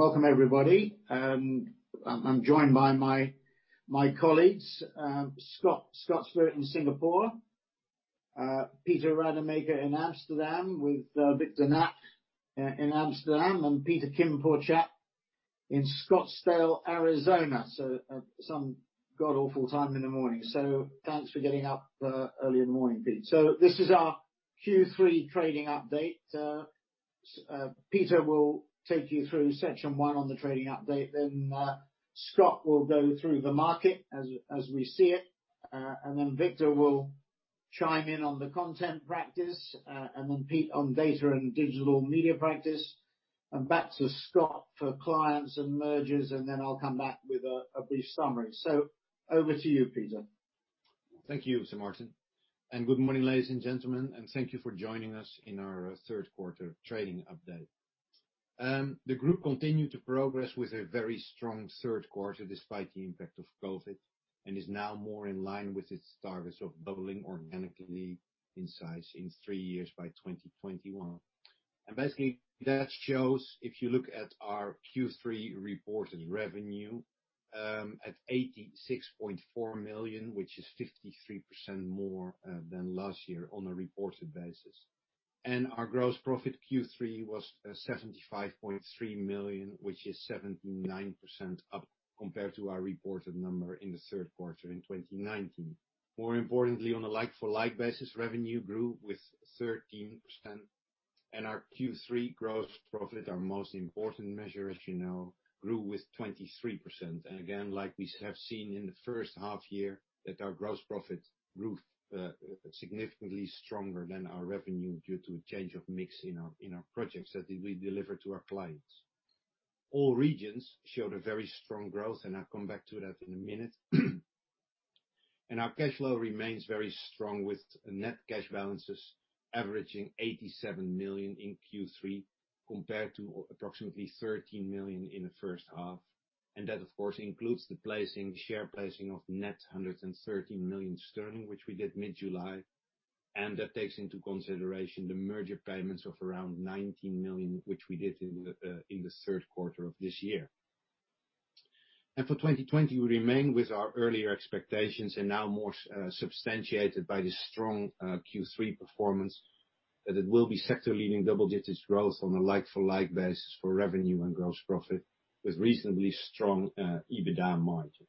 Welcome everybody. I'm joined by my colleagues, Scott Spirit in Singapore, Peter Rademaker in Amsterdam with Victor Knaap in Amsterdam and Peter Kim in Scottsdale, Arizona. Some god awful time in the morning. Thanks for getting up early in the morning, Pete. This is our Q3 trading update. Peter will take you through section 1 on the trading update, then Scott will go through the market as we see it, and then Victor will chime in on the content practice, and then Pete on data and digital media practice, and back to Scott for clients and mergers, and then I'll come back with a brief summary. Over to you, Peter. Thank you, Sir Martin. Good morning, ladies and gentlemen, and thank you for joining us in our third quarter trading update. The group continued to progress with a very strong third quarter, despite the impact of COVID, is now more in line with its targets of doubling organically in size in three years by 2021. Basically that shows if you look at our Q3 reported revenue, at 86.4 million, which is 53% more than last year on a reported basis. Our gross profit Q3 was 75.3 million, which is 79% up compared to our reported number in the third quarter in 2019. More importantly, on a like-for-like basis, revenue grew with 13%. Our Q3 gross profit, our most important measure as you know, grew with 23%. Again, like we have seen in the first half-year, that our gross profit grew significantly stronger than our revenue due to a change of mix in our projects that we deliver to our clients. All regions showed a very strong growth. I'll come back to that in a minute. Our cash flow remains very strong, with net cash balances averaging 87 million in Q3, compared to approximately 13 million in the first half. That, of course, includes the share placing of net 113 million sterling, which we did mid-July, and that takes into consideration the merger payments of around 19 million, which we did in the third quarter of this year. For 2020, we remain with our earlier expectations and now more substantiated by the strong Q3 performance, that it will be sector-leading double-digit growth on a like-for-like basis for revenue and gross profit, with reasonably strong EBITDA margins.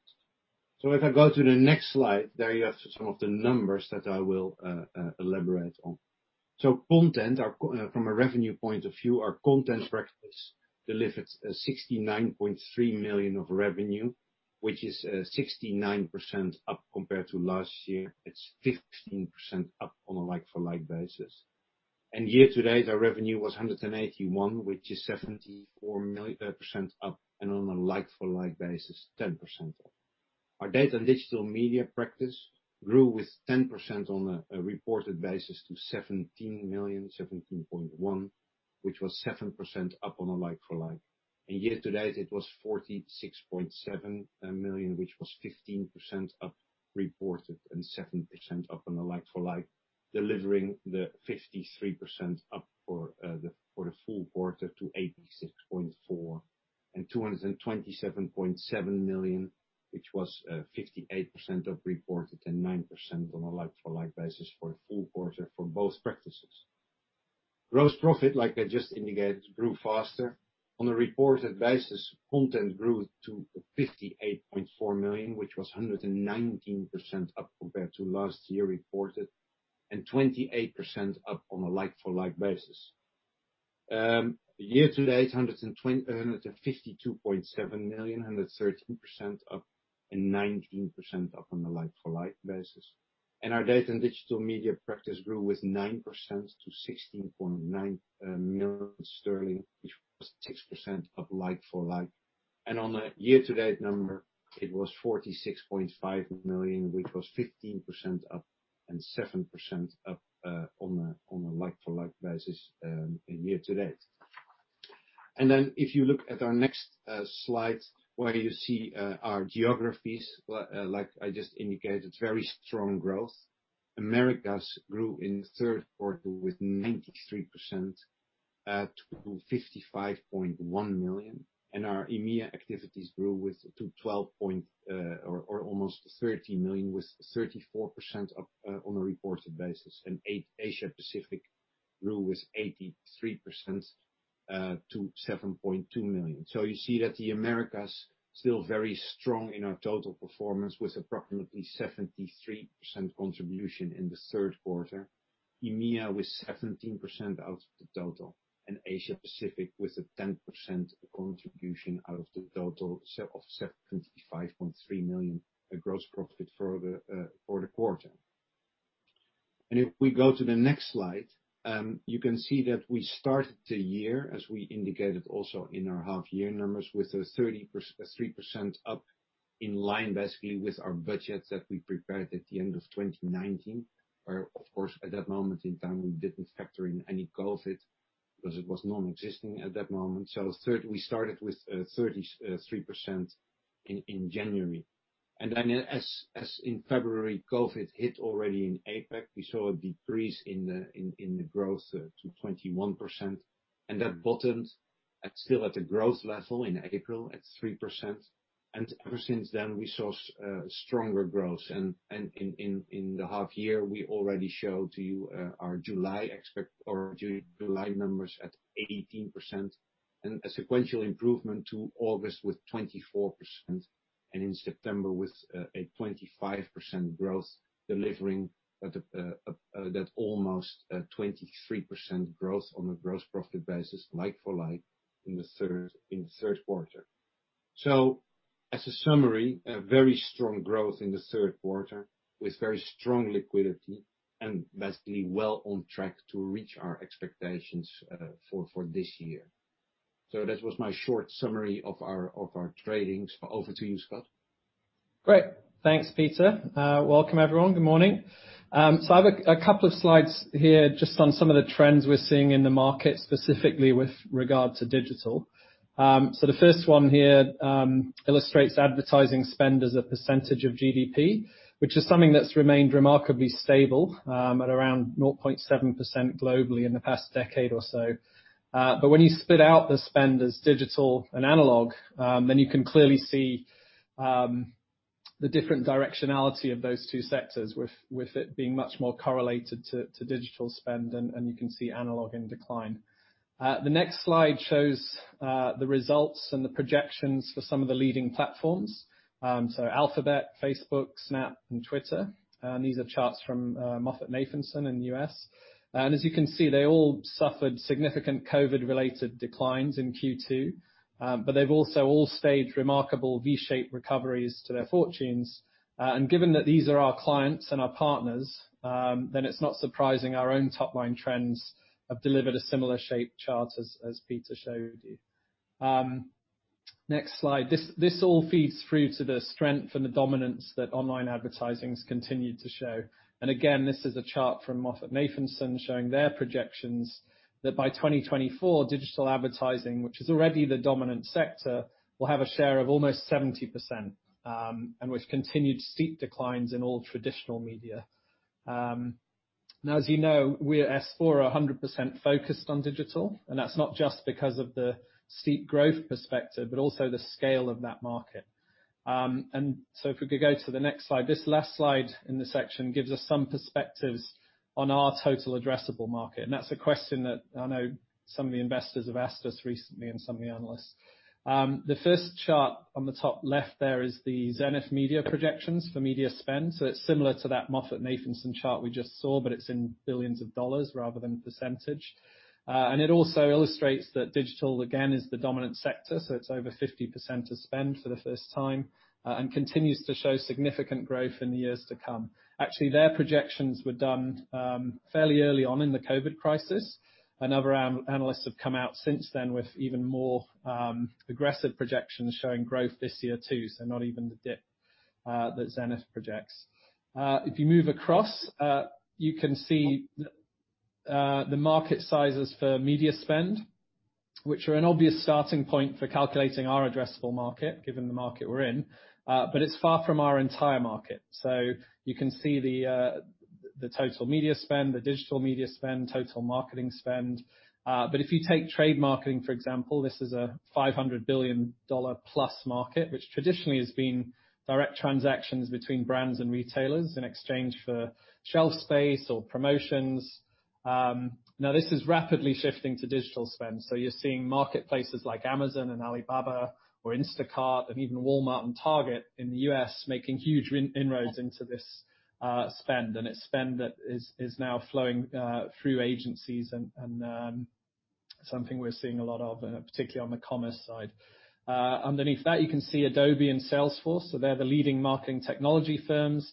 If I go to the next slide, there you have some of the numbers that I will elaborate on. From a revenue point of view, our content practice delivered 69.3 million of revenue, which is 69% up compared to last year. It's 15% up on a like-for-like basis. Year to date, our revenue was 181 million, which is 74% up, and on a like-for-like basis, 10% up. Our data and digital media practice grew with 10% on a reported basis to 17.1 million, which was 7% up on a like-for-like. Year to date, it was 46.7 million, which was 15% up reported and 7% up on a like-for-like, delivering the 53% up for the full quarter to 86.4 million and 227.7 million, which was 58% of reported and 9% on a like-for-like basis for the full quarter for both practices. Gross profit, like I just indicated, grew faster. On a reported basis, content grew to 58.4 million, which was 119% up compared to last year reported and 28% up on a like-for-like basis. Year to date, 152.7 million, 113% up and 19% up on a like-for-like basis. Our data and digital media practice grew with 9% to 16.9 million sterling, which was 6% up like-for-like. On a year-to-date number, it was 46.5 million, which was 15% up and 7% up on a like-for-like basis in year to date. If you look at our next slide where you see our geographies, like I just indicated, very strong growth. Americas grew in the third quarter with 93% to 55.1 million. Our EMEA activities grew to almost 13 million with 34% up on a reported basis. Asia Pacific grew with 83% to 7.2 million. You see that the Americas still very strong in our total performance with approximately 73% contribution in the third quarter. EMEA with 17% out of the total, and Asia Pacific with a 10% contribution out of the total of 75.3 million gross profit for the quarter. If we go to the next slide, you can see that we started the year, as we indicated also in our half year numbers, with a 33% up in line basically with our budgets that we prepared at the end of 2019. Of course, at that moment in time, we didn't factor in any COVID because it was non-existing at that moment. We started with 33% in January. As in February, COVID hit already in APAC, we saw a decrease in the growth to 21%, and that bottomed at still at a growth level in April at 3%. Ever since then, we saw stronger growth. In the half year, we already showed to you our July numbers at 18% and a sequential improvement to August with 24%, and in September with a 25% growth, delivering that almost 23% growth on a gross profit basis like-for-like in the third quarter. As a summary, a very strong growth in the third quarter with very strong liquidity and basically well on track to reach our expectations for this year. That was my short summary of our tradings. Over to you, Scott. Great. Thanks, Peter. Welcome, everyone. Good morning. I have a couple of slides here just on some of the trends we're seeing in the market, specifically with regard to digital. The first one here illustrates advertising spend as a percentage of GDP, which is something that's remained remarkably stable at around 0.7% globally in the past decade or so. When you split out the spend as digital and analog, you can clearly see the different directionality of those two sectors with it being much more correlated to digital spend, and you can see analog in decline. The next slide shows the results and the projections for some of the leading platforms. Alphabet, Facebook, Snap, and Twitter. These are charts from MoffettNathanson in the U.S. As you can see, they all suffered significant COVID-related declines in Q2. They've also all staged remarkable V-shaped recoveries to their fortunes. Given that these are our clients and our partners, it's not surprising our own top-line trends have delivered a similar shape chart as Pieter showed you. Next slide. This all feeds through to the strength and the dominance that online advertising's continued to show. Again, this is a chart from MoffettNathanson showing their projections that by 2024, digital advertising, which is already the dominant sector, will have a share of almost 70%, with continued steep declines in all traditional media. Now, as you know, we at S4 are 100% focused on digital, that's not just because of the steep growth perspective, but also the scale of that market. If we could go to the next slide, this last slide in this section gives us some perspectives on our total addressable market. That's a question that I know some of the investors have asked us recently and some of the analysts. The first chart on the top left there is the Zenith Media projections for media spend. It's similar to that MoffettNathanson chart we just saw, but it's in billions of dollars rather than percentage. It also illustrates that digital, again, is the dominant sector, so it's over 50% of spend for the first time and continues to show significant growth in the years to come. Actually, their projections were done fairly early on in the COVID crisis. A number of analysts have come out since then with even more aggressive projections showing growth this year too, so not even the dip that Zenith projects. If you move across, you can see the market sizes for media spend, which are an obvious starting point for calculating our addressable market, given the market we're in. It's far from our entire market. You can see the total media spend, the digital media spend, total marketing spend. If you take trade marketing, for example, this is a $500 billion plus market, which traditionally has been direct transactions between brands and retailers in exchange for shelf space or promotions. Now, this is rapidly shifting to digital spend. You're seeing marketplaces like Amazon and Alibaba or Instacart and even Walmart and Target in the U.S. making huge inroads into this spend. It's spend that is now flowing through agencies and something we're seeing a lot of, particularly on the commerce side. Underneath that, you can see Adobe and Salesforce. They're the leading marketing technology firms,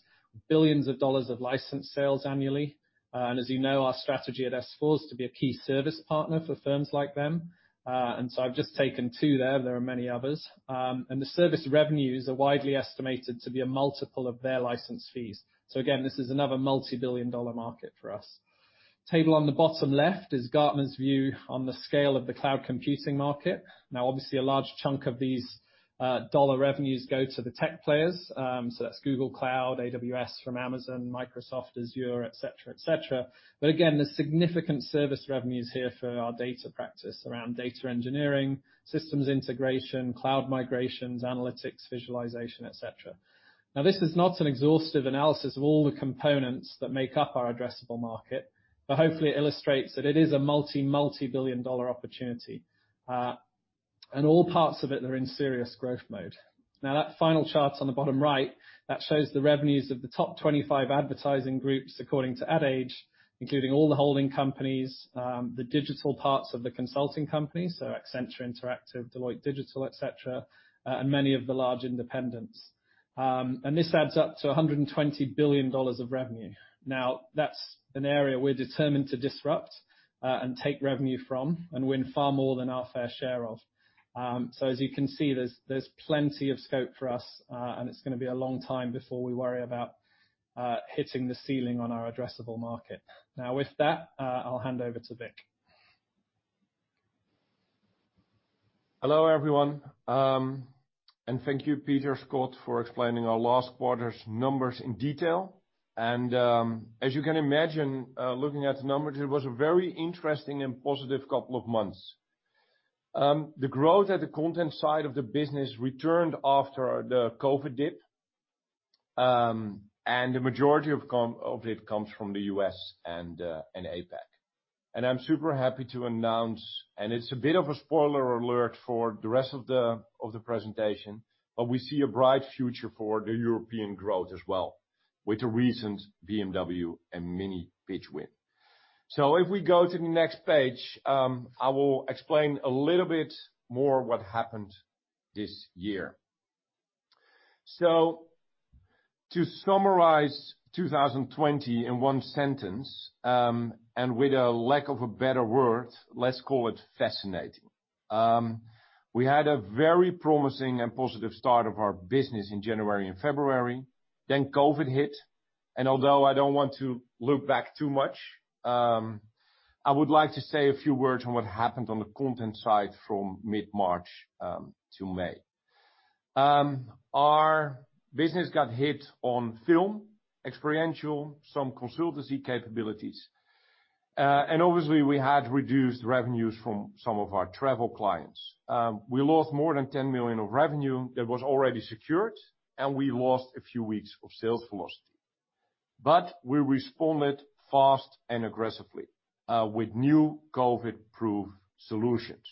billions of dollars of licensed sales annually. As you know, our strategy at S4 is to be a key service partner for firms like them. I've just taken two there. There are many others. The service revenues are widely estimated to be a multiple of their license fees. Again, this is another multibillion-dollar market for us. Table on the bottom left is Gartner's view on the scale of the cloud computing market. Obviously, a large chunk of these dollar revenues go to the tech players. That's Google Cloud, AWS from Amazon, Microsoft Azure, et cetera. Again, there's significant service revenues here for our data practice around data engineering, systems integration, cloud migrations, analytics, visualization, et cetera. This is not an exhaustive analysis of all the components that make up our addressable market, but hopefully illustrates that it is a multi-multibillion-dollar opportunity. All parts of it are in serious growth mode. That final chart on the bottom right, that shows the revenues of the top 25 advertising groups according to Ad Age, including all the holding companies, the digital parts of the consulting companies, so Accenture Interactive, Deloitte Digital, et cetera, and many of the large independents. This adds up to $120 billion of revenue. That's an area we're determined to disrupt and take revenue from and win far more than our fair share of. As you can see, there's plenty of scope for us, and it's going to be a long time before we worry about hitting the ceiling on our addressable market. With that, I'll hand over to Vic. Hello, everyone. Thank you, Peter Scott, for explaining our last quarter's numbers in detail. As you can imagine, looking at the numbers, it was a very interesting and positive couple of months. The growth at the content side of the business returned after the COVID dip, and the majority of it comes from the U.S. and APAC. I'm super happy to announce, and it's a bit of a spoiler alert for the rest of the presentation, but we see a bright future for the European growth as well, with the recent BMW and Mini pitch win. If we go to the next page, I will explain a little bit more what happened this year. To summarize 2020 in one sentence, and with a lack of a better word, let's call it fascinating. We had a very promising and positive start of our business in January and February. COVID hit. Although I don't want to look back too much, I would like to say a few words on what happened on the content side from mid-March to May. Our business got hit on film, experiential, some consultancy capabilities. Obviously, we had reduced revenues from some of our travel clients. We lost more than 10 million of revenue that was already secured. We lost a few weeks of sales velocity. We responded fast and aggressively with new COVID-proof solutions,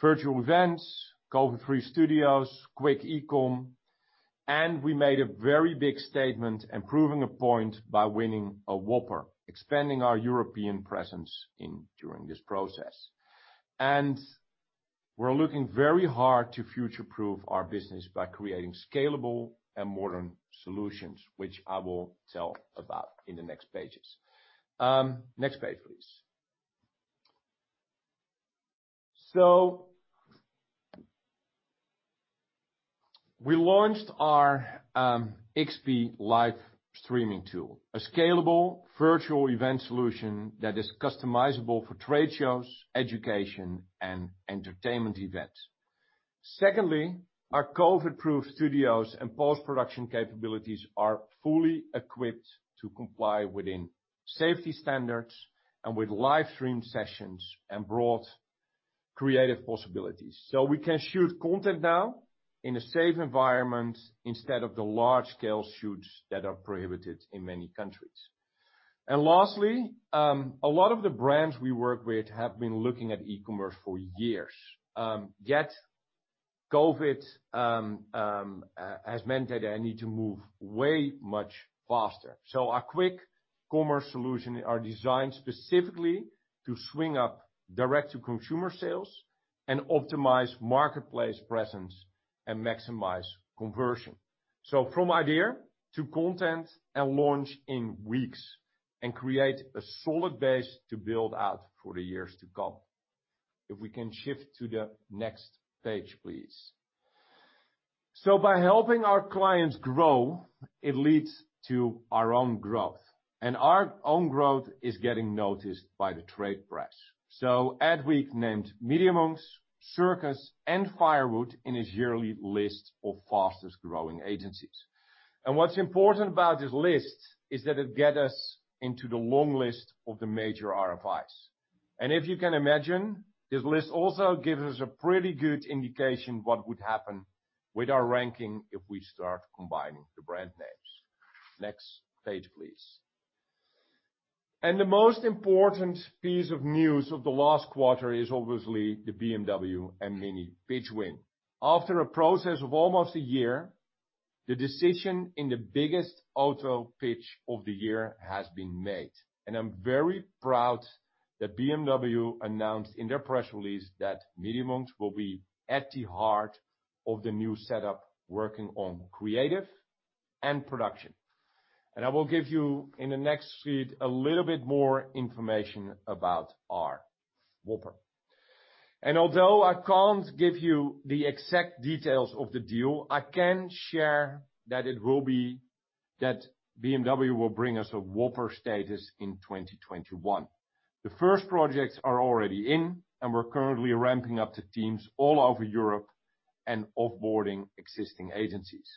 virtual events, COVID-free studios, quick e-com. We made a very big statement and proving a point by winning a whopper, expanding our European presence during this process. We're looking very hard to future-proof our business by creating scalable and modern solutions, which I will tell about in the next pages. Next page, please. We launched our XP live streaming tool, a scalable virtual event solution that is customizable for trade shows, education, and entertainment events. Secondly, our COVID-proof studios and post-production capabilities are fully equipped to comply within safety standards and with live stream sessions and broad creative possibilities. We can shoot content now in a safe environment instead of the large-scale shoots that are prohibited in many countries. Lastly, a lot of the brands we work with have been looking at e-commerce for years. COVID has meant that they need to move way much faster. Our quick commerce solution are designed specifically to swing up direct-to-consumer sales and optimize marketplace presence and maximize conversion. From idea to content and launch in weeks, and create a solid base to build out for the years to come. If we can shift to the next page, please. By helping our clients grow, it leads to our own growth. Our own growth is getting noticed by the trade press. Adweek named Media.Monks, Circus, and Firewood in its yearly list of fastest growing agencies. What's important about this list is that it get us into the long list of the major RFIs. If you can imagine, this list also gives us a pretty good indication what would happen with our ranking if we start combining the brand names. Next page, please. The most important piece of news of the last quarter is obviously the BMW and Mini pitch win. After a process of almost a year, the decision in the biggest auto pitch of the year has been made. I'm very proud that BMW announced in their press release that Media.Monks will be at the heart of the new setup, working on creative and production. I will give you in the next sheet a little bit more information about our whopper. Although I can't give you the exact details of the deal, I can share that BMW will bring us a whopper status in 2021. The first projects are already in, and we're currently ramping up the teams all over Europe and off-boarding existing agencies.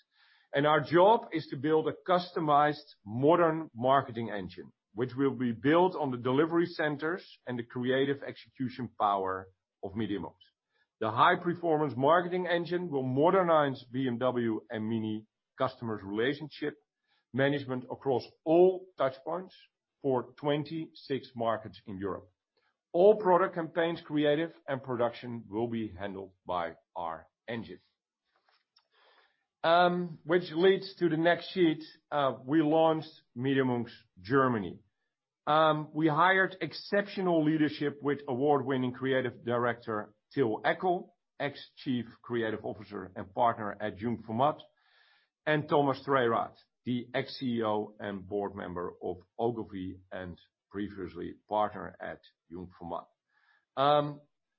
Our job is to build a customized modern marketing engine, which will be built on the delivery centers and the creative execution power of Media.Monks. The high performance marketing engine will modernize BMW and Mini customers' relationship management across all touchpoints for 26 markets in Europe. All product campaigns creative and production will be handled by our engine. Leads to the next sheet. We launched Media.Monks Germany. We hired exceptional leadership with award-winning creative director, Till Eckel, ex chief creative officer and partner at Jung von Matt, and Thomas Dreyer, the ex CEO and board member of Ogilvy and previously partner at Jung von Matt.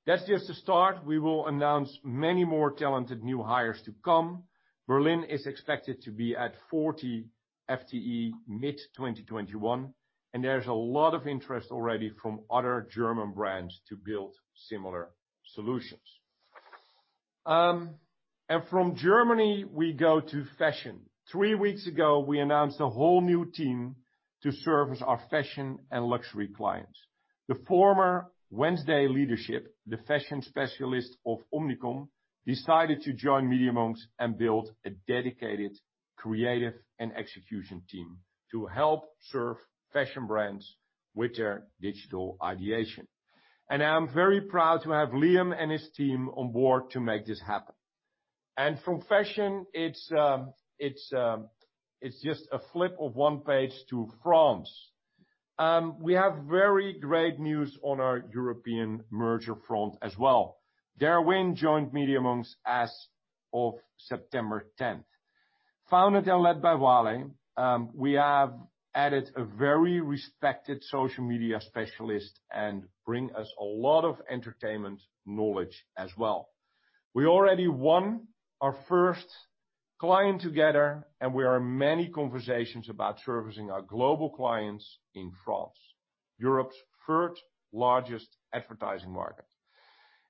That's just a start. We will announce many more talented new hires to come. Berlin is expected to be at 40 FTE mid-2021. There's a lot of interest already from other German brands to build similar solutions. From Germany, we go to fashion. Three weeks ago, we announced a whole new team to service our fashion and luxury clients. The former Wednesday leadership, the fashion specialist of Omnicom, decided to join Media.Monks and build a dedicated creative and execution team to help serve fashion brands with their digital ideation. I'm very proud to have Liam and his team on board to make this happen. From fashion, it's just a flip of one page to France. We have very great news on our European merger front as well. Dare.Win joined Media.Monks as of September 10th. Founded and led by Wally, we have added a very respected social media specialist and bring us a lot of entertainment knowledge as well. We already won our first client together, and we are in many conversations about servicing our global clients in France, Europe's third largest advertising market.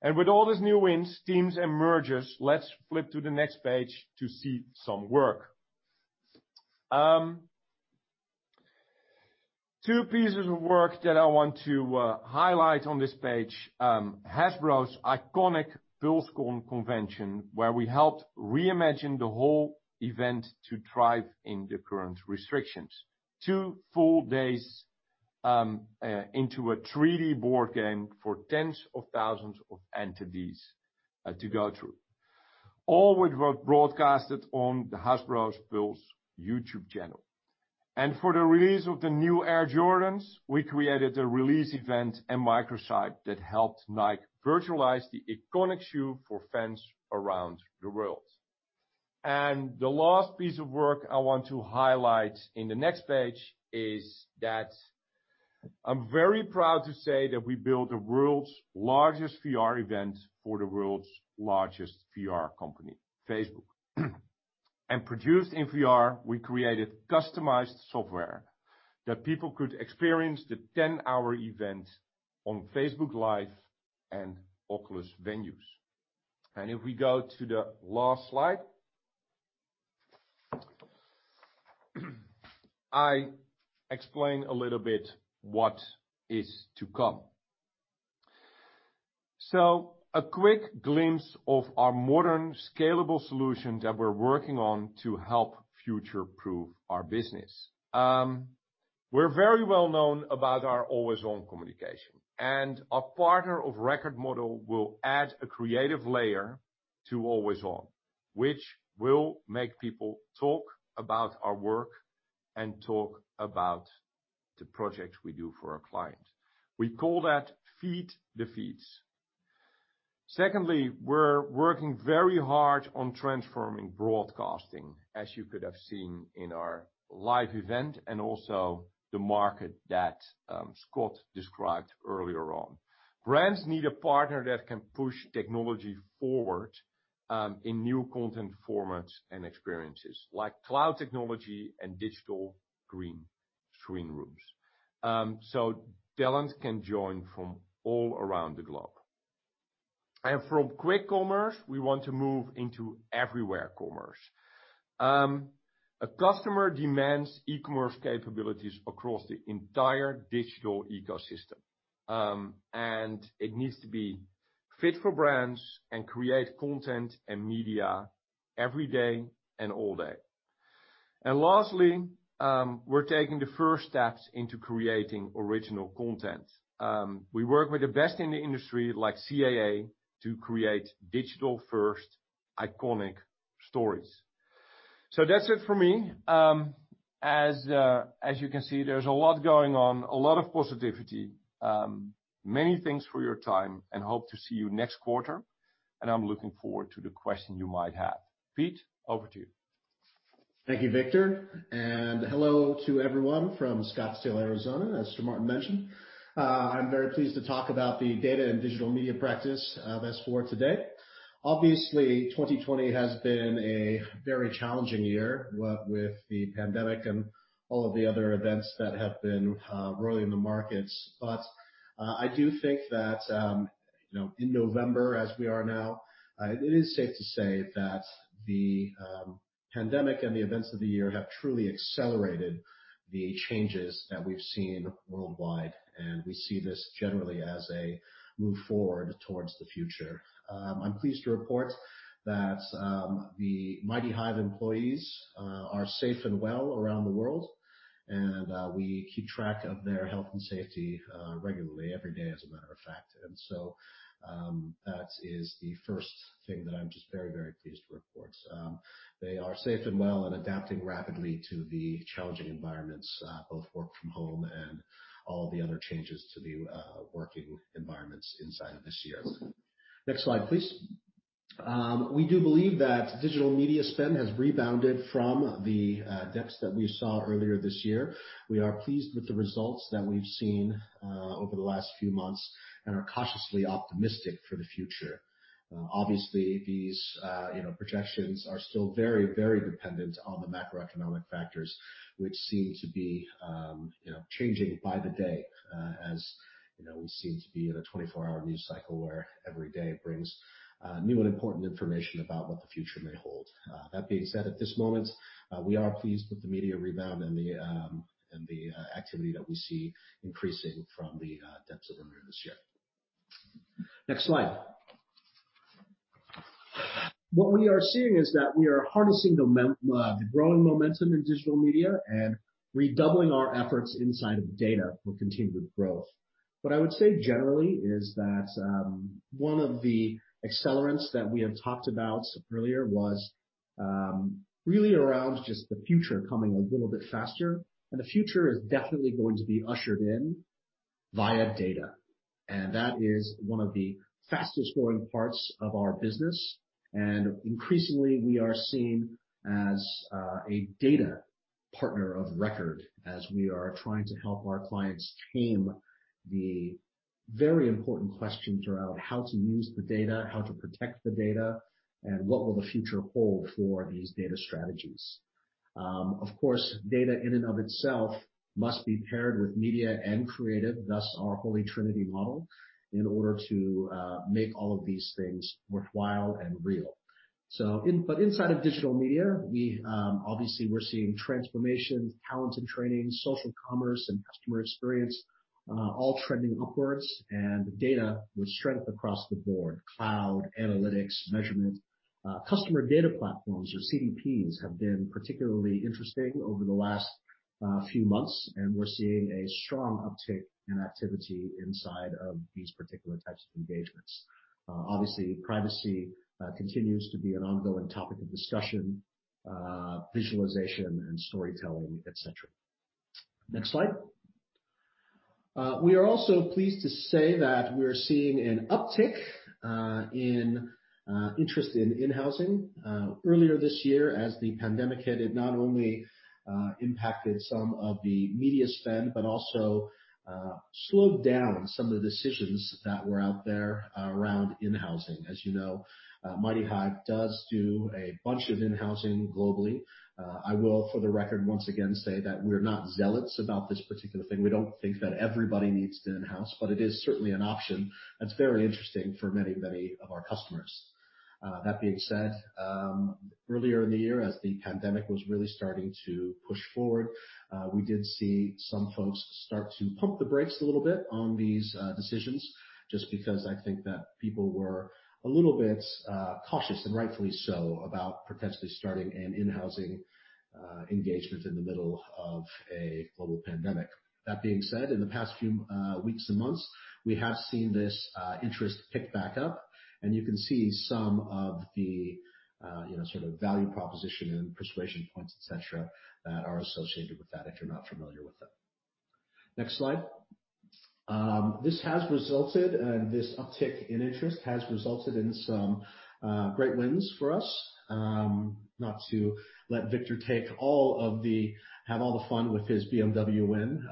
With all these new wins, teams, and mergers, let's flip to the next page to see some work. Two pieces of work that I want to highlight on this page, Hasbro's iconic PulseCon convention, where we helped reimagine the whole event to thrive in the current restrictions. Two full days into a 3D board game for tens of thousands of entities to go through. All were broadcasted on the Hasbro's Pulse YouTube channel. For the release of the new Air Jordans, we created a release event and microsite that helped Nike virtualize the iconic shoe for fans around the world. The last piece of work I want to highlight in the next page is that I'm very proud to say that we built the world's largest VR event for the world's largest VR company, Facebook. Produced in VR, we created customized software that people could experience the 10-hour event on Facebook Live and Oculus Venues. If we go to the last slide, I explain a little bit what is to come. A quick glimpse of our modern, scalable solution that we're working on to help future-proof our business. We're very well known about our always-on communication, our partner of record model will add a creative layer to always-on, which will make people talk about our work and talk about the projects we do for our clients. We call that feed the feeds. Secondly, we're working very hard on transforming broadcasting, as you could have seen in our live event and also the market that Scott described earlier on. Brands need a partner that can push technology forward in new content formats and experiences like cloud technology and digital green screen rooms. Talent can join from all around the globe. From quick commerce, we want to move into everywhere commerce. A customer demands e-commerce capabilities across the entire digital ecosystem, and it needs to be fit for brands and create content and media every day and all day. Lastly, we're taking the first steps into creating original content. We work with the best in the industry, like CAA, to create digital-first iconic stories. That's it for me. As you can see, there's a lot going on, a lot of positivity. Many thanks for your time and hope to see you next quarter, and I'm looking forward to the question you might have. Pete, over to you. Thank you, Victor, and hello to everyone from Scottsdale, Arizona. As Sir Martin mentioned, I am very pleased to talk about the data and digital media practice of S4 Capital today. Obviously, 2020 has been a very challenging year, what with the pandemic and all of the other events that have been roiling the markets. I do think that, in November, as we are now, it is safe to say that the pandemic and the events of the year have truly accelerated the changes that we've seen worldwide, and we see this generally as a move forward towards the future. I am pleased to report that the MightyHive employees are safe and well around the world, and we keep track of their health and safety regularly, every day, as a matter of fact. That is the first thing that I am just very pleased to report. They are safe and well and adapting rapidly to the challenging environments, both work from home and all the other changes to the working environments inside of this year. Next slide, please. We do believe that digital media spend has rebounded from the dips that we saw earlier this year. We are pleased with the results that we've seen over the last few months and are cautiously optimistic for the future. Obviously, these projections are still very dependent on the macroeconomic factors, which seem to be changing by the day. We seem to be in a 24-hour news cycle where every day brings new and important information about what the future may hold. That being said, at this moment, we are pleased with the media rebound and the activity that we see increasing from the depths of earlier this year. Next slide. What we are seeing is that we are harnessing the growing momentum in digital media and redoubling our efforts inside of data for continued growth. What I would say generally is that one of the accelerants that we have talked about earlier was really around just the future coming a little bit faster, and the future is definitely going to be ushered in via data. That is one of the fastest-growing parts of our business. Increasingly, we are seen as a Data Partner of Record as we are trying to help our clients tame the very important questions around how to use the data, how to protect the data, and what will the future hold for these data strategies. Of course, data in and of itself must be paired with media and creative, thus our holy trinity model, in order to make all of these things worthwhile and real. Inside of digital media, obviously we're seeing transformations, talent and training, social commerce, and customer experience, all trending upwards, and data with strength across the board, cloud, analytics, measurement. Customer data platforms or CDPs have been particularly interesting over the last few months, and we're seeing a strong uptick in activity inside of these particular types of engagements. Obviously, privacy continues to be an ongoing topic of discussion, visualization and storytelling, et cetera. Next slide. We are also pleased to say that we're seeing an uptick in interest in in-housing. Earlier this year, as the pandemic hit, it not only impacted some of the media spend, but also slowed down some of the decisions that were out there around in-housing. As you know, MightyHive does do a bunch of in-housing globally. I will, for the record, once again say that we're not zealots about this particular thing. We don't think that everybody needs to in-house, but it is certainly an option that's very interesting for many of our customers. That being said, earlier in the year, as the pandemic was really starting to push forward, we did see some folks start to pump the brakes a little bit on these decisions, just because I think that people were a little bit cautious, and rightfully so, about potentially starting an in-housing engagement in the middle of a global pandemic. That being said, in the past few weeks and months, we have seen this interest pick back up, and you can see some of the sort of value proposition and persuasion points, et cetera, that are associated with that, if you're not familiar with them. Next slide. This uptick in interest has resulted in some great wins for us. Not to let Victor have all the fun with his BMW win.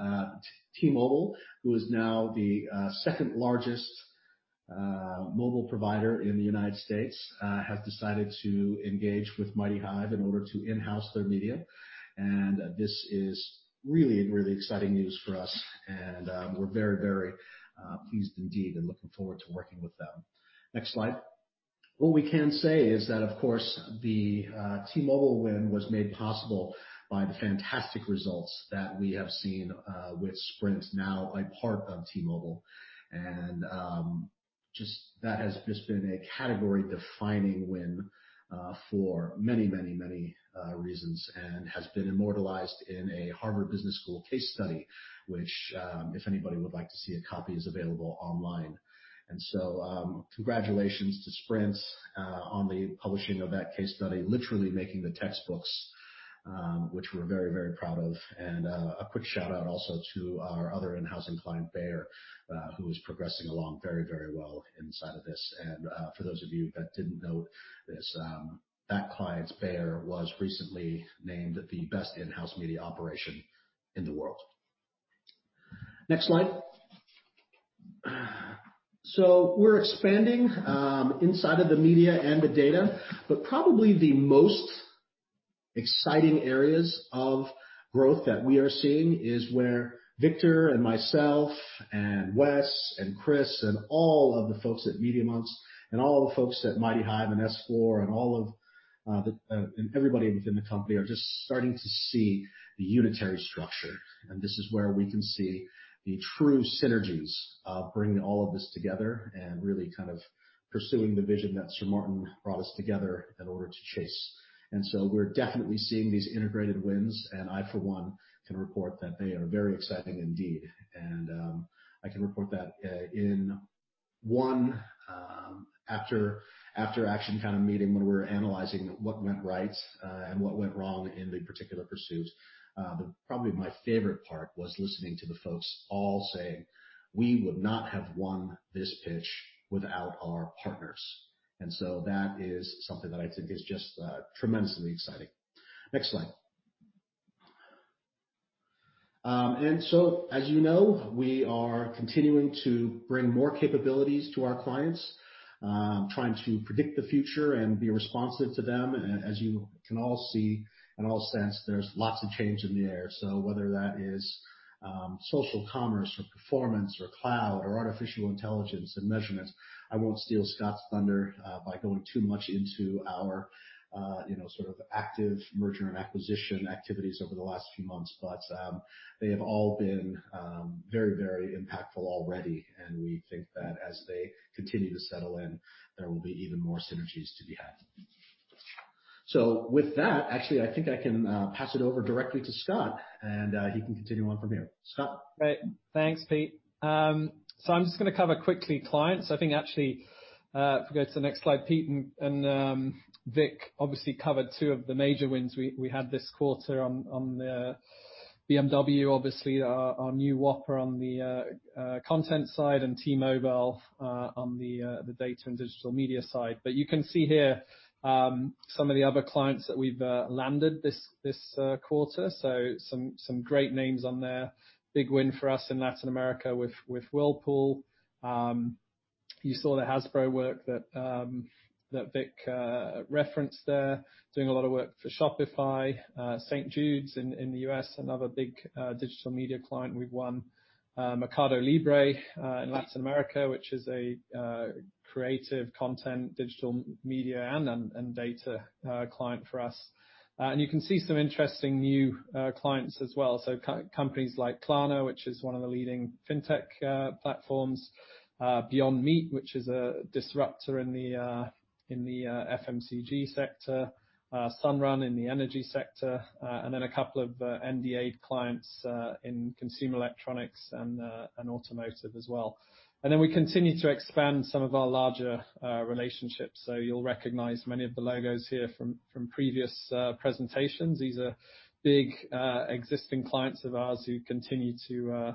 T-Mobile, who is now the second-largest mobile provider in the United States, has decided to engage with MightyHive in order to in-house their media. This is really exciting news for us, and we're very pleased indeed and looking forward to working with them. Next slide. What we can say is that, of course, the T-Mobile win was made possible by the fantastic results that we have seen with Sprint, now a part of T-Mobile. That has just been a category-defining win for many reasons, and has been immortalized in a Harvard Business School case study, which, if anybody would like to see, a copy is available online. Congratulations to Sprint on the publishing of that case study, literally making the textbooks, which we're very proud of. A quick shout-out also to our other in-housing client, Bayer, who is progressing along very well inside of this. For those of you that didn't know this, that client, Bayer, was recently named the best in-house media operation in the world. Next slide. We're expanding inside of the media and the data, but probably the most exciting areas of growth that we are seeing is where Victor and myself and Wes and Chris and all of the folks at Media.Monks, and all the folks at MightyHive and S4 and everybody within the company are just starting to see the unitary structure. This is where we can see the true synergies of bringing all of this together and really kind of pursuing the vision that Sir Martin brought us together in order to chase. We're definitely seeing these integrated wins, and I for one can report that they are very exciting indeed. I can report that in one after-action kind of meeting when we were analyzing what went right and what went wrong in the particular pursuit, probably my favorite part was listening to the folks all say, "We would not have won this pitch without our partners." That is something that I think is just tremendously exciting. Next slide. As you know, we are continuing to bring more capabilities to our clients, trying to predict the future and be responsive to them. As you can all see and all sense, there's lots of change in the air. Whether that is social commerce or performance or cloud or artificial intelligence and measurements, I won't steal Scott's thunder by going too much into our sort of active merger and acquisition activities over the last few months. They have all been very impactful already, and we think that as they continue to settle in, there will be even more synergies to be had. With that, actually, I think I can pass it over directly to Scott, and he can continue on from here. Scott? Great. Thanks, Pete. I'm just going to cover quickly clients. I think actually, if we go to the next slide, Pete and Vic obviously covered two of the major wins we had this quarter on the BMW, obviously our new whopper on the content side, and T-Mobile on the data and digital media side. You can see here some of the other clients that we've landed this quarter. Some great names on there. Big win for us in Latin America with Whirlpool. You saw the Hasbro work that Vic referenced there, doing a lot of work for Shopify, St. Jude's in the U.S., another big digital media client we've won, Mercado Libre in Latin America, which is a creative content, digital media, and data client for us. You can see some interesting new clients as well. Companies like Klarna, which is one of the leading fintech platforms, Beyond Meat, which is a disruptor in the FMCG sector, Sunrun in the energy sector, and then a couple of NDA'd clients in consumer electronics and automotive as well. We continue to expand some of our larger relationships. You'll recognize many of the logos here from previous presentations. These are big, existing clients of ours who continue to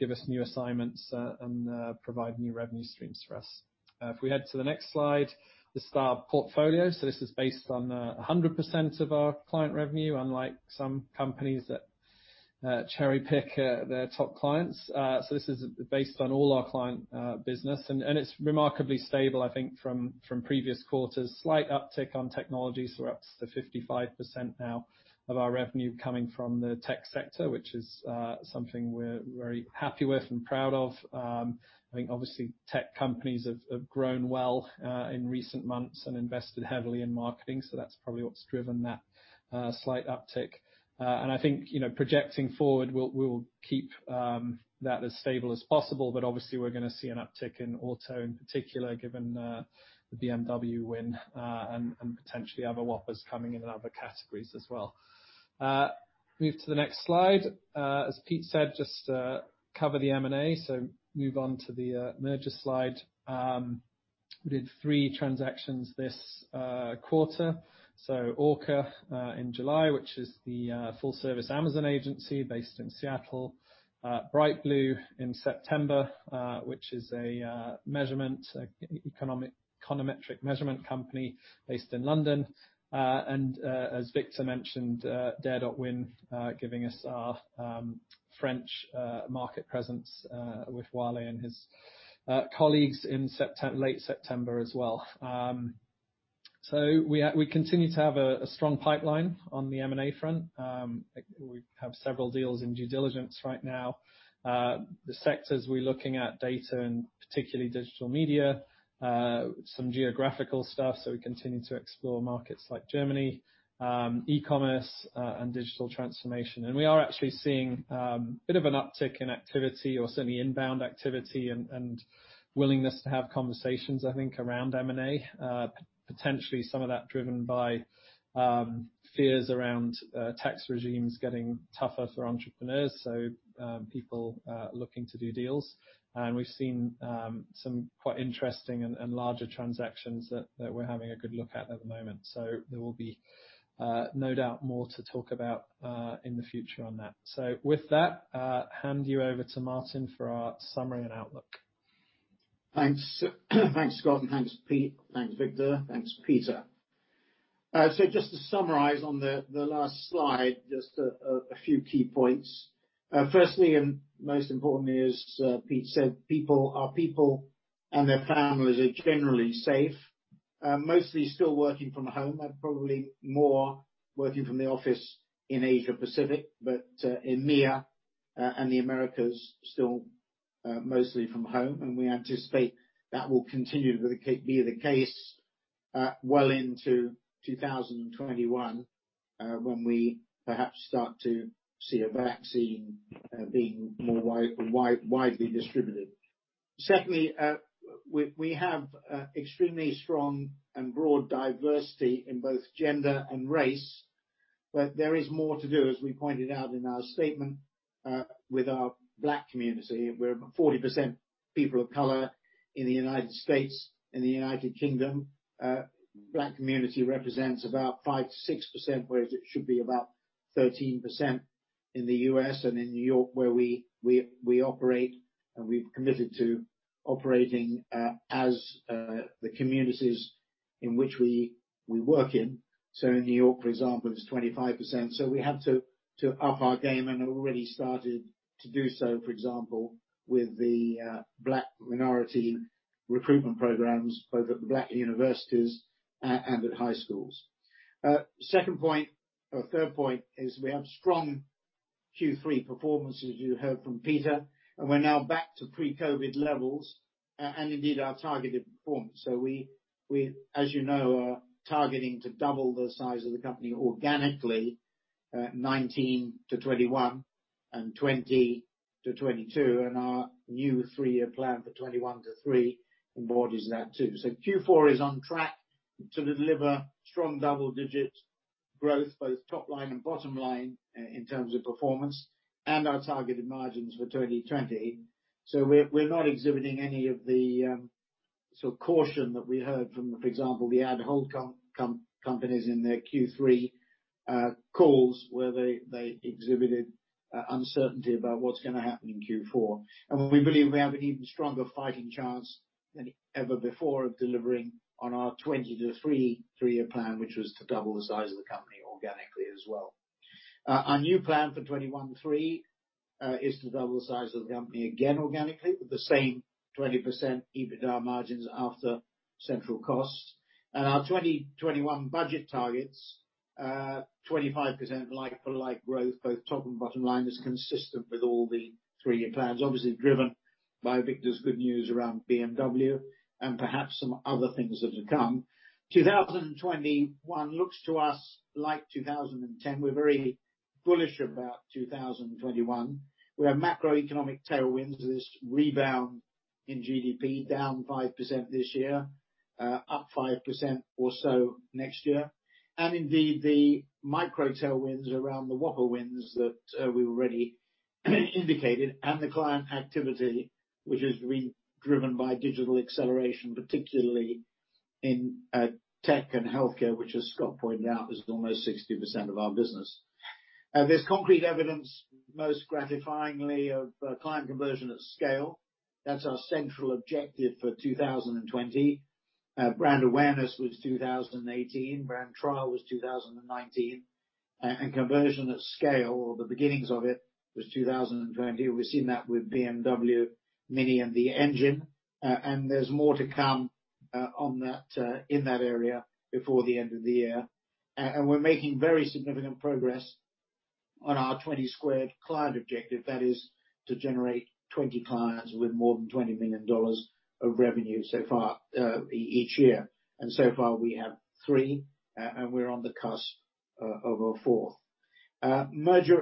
give us new assignments and provide new revenue streams for us. We head to the next slide, the star portfolio. This is based on 100% of our client revenue, unlike some companies that cherry-pick their top clients. This is based on all our client business, and it's remarkably stable, I think, from previous quarters. Slight uptick on technology, we're up to 55% now of our revenue coming from the tech sector, which is something we're very happy with and proud of. I think obviously tech companies have grown well in recent months and invested heavily in marketing, so that's probably what's driven that slight uptick. I think projecting forward, we will keep that as stable as possible, but obviously we're going to see an uptick in auto, in particular, given the BMW win, and potentially other whoppers coming in other categories as well. Move to the next slide. As Pete said, just cover the M&A, so move on to the merger slide. We did three transactions this quarter. Orca in July, which is the full service Amazon agency based in Seattle. BrightBlue in September, which is a econometric measurement company based in London. As Victor mentioned, Dare.Win giving us our French market presence with Wally and his colleagues in late September as well. We continue to have a strong pipeline on the M&A front. We have several deals in due diligence right now. The sectors we're looking at, data and particularly digital media, some geographical stuff, so we continue to explore markets like Germany, e-commerce, and digital transformation. We are actually seeing a bit of an uptick in activity or certainly inbound activity and willingness to have conversations, I think, around M&A, potentially some of that driven by fears around tax regimes getting tougher for entrepreneurs, so people looking to do deals. We've seen some quite interesting and larger transactions that we're having a good look at at the moment. There will be no doubt more to talk about in the future on that. With that, hand you over to Martin for our summary and outlook. Thanks, Scott, and thanks, Peter. Thanks, Victor. Thanks, Peter. To summarize on the last slide, just a few key points. Firstly, and most important is Peter said our people and their families are generally safe. Mostly still working from home and probably more working from the office in Asia Pacific, but EMEA and the Americas still mostly from home. We anticipate that will continue to be the case well into 2021, when we perhaps start to see a vaccine being more widely distributed. Secondly, we have extremely strong and broad diversity in both gender and race, but there is more to do, as we pointed out in our statement, with our Black community. We're 40% people of color in the United States. In the U.K., Black community represents about 5%-6%, whereas it should be about 13% in the U.S. and in New York, where we operate, and we've committed to operating as the communities in which we work in. In New York, for example, it's 25%. We have to up our game and already started to do so, for example, with the Black minority recruitment programs both at the Black universities and at high schools. Third point is we have strong Q3 performance, as you heard from Peter, and we're now back to pre-COVID levels, and indeed our targeted performance. We, as you know, are targeting to double the size of the company organically, 2019-2021. 2020-2022, and our new three-year plan for 2021-2023 embodies that too. Q4 is on track to deliver strong double-digit growth, both top line and bottom line, in terms of performance and our targeted margins for 2020. We're not exhibiting any of the caution that we heard from, for example, the ad holding companies in their Q3 calls, where they exhibited uncertainty about what's going to happen in Q4. We believe we have an even stronger fighting chance than ever before of delivering on our 2020-2023 three-year plan, which was to double the size of the company organically as well. Our new plan for 2021/2023 is to double the size of the company again organically with the same 20% EBITDA margins after central costs. Our 2021 budget targets 25% like-for-like growth, both top and bottom line is consistent with all the three-year plans, obviously driven by Victor's good news around BMW and perhaps some other things that are to come. 2021 looks to us like 2010. We're very bullish about 2021. We have macroeconomic tailwinds with this rebound in GDP, down 5% this year, up 5% or so next year. Indeed, the micro tailwinds around the whopper wins that we already indicated and the client activity, which is driven by digital acceleration, particularly in tech and healthcare, which as Scott pointed out, is almost 60% of our business. There's concrete evidence, most gratifyingly, of client conversion at scale. That's our central objective for 2020. Brand awareness was 2018, brand trial was 2019, and conversion at scale, or the beginnings of it, was 2020. We've seen that with BMW, Mini, and The Engine. There's more to come in that area before the end of the year. We're making very significant progress on our 20 squared client objective. That is to generate 20 clients with more than $20 million of revenue so far each year. So far, we have three, and we're on the cusp of a fourth. The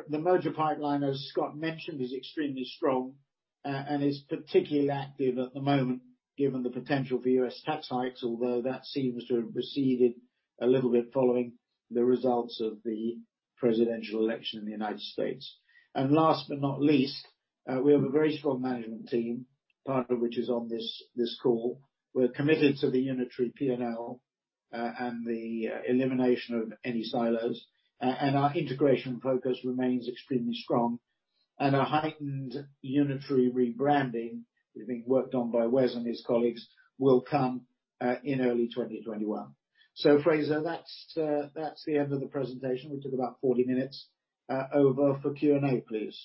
merger pipeline, as Scott mentioned, is extremely strong and is particularly active at the moment given the potential for U.S. tax hikes, although that seems to have receded a little bit following the results of the presidential election in the United States. Last but not least, we have a very strong management team, part of which is on this call. We're committed to the unitary P&L, and the elimination of any silos. Our integration focus remains extremely strong. Our heightened unitary rebranding, which is being worked on by Wes and his colleagues, will come in early 2021. Fraser, that's the end of the presentation, which took about 40 minutes. Over for Q&A, please.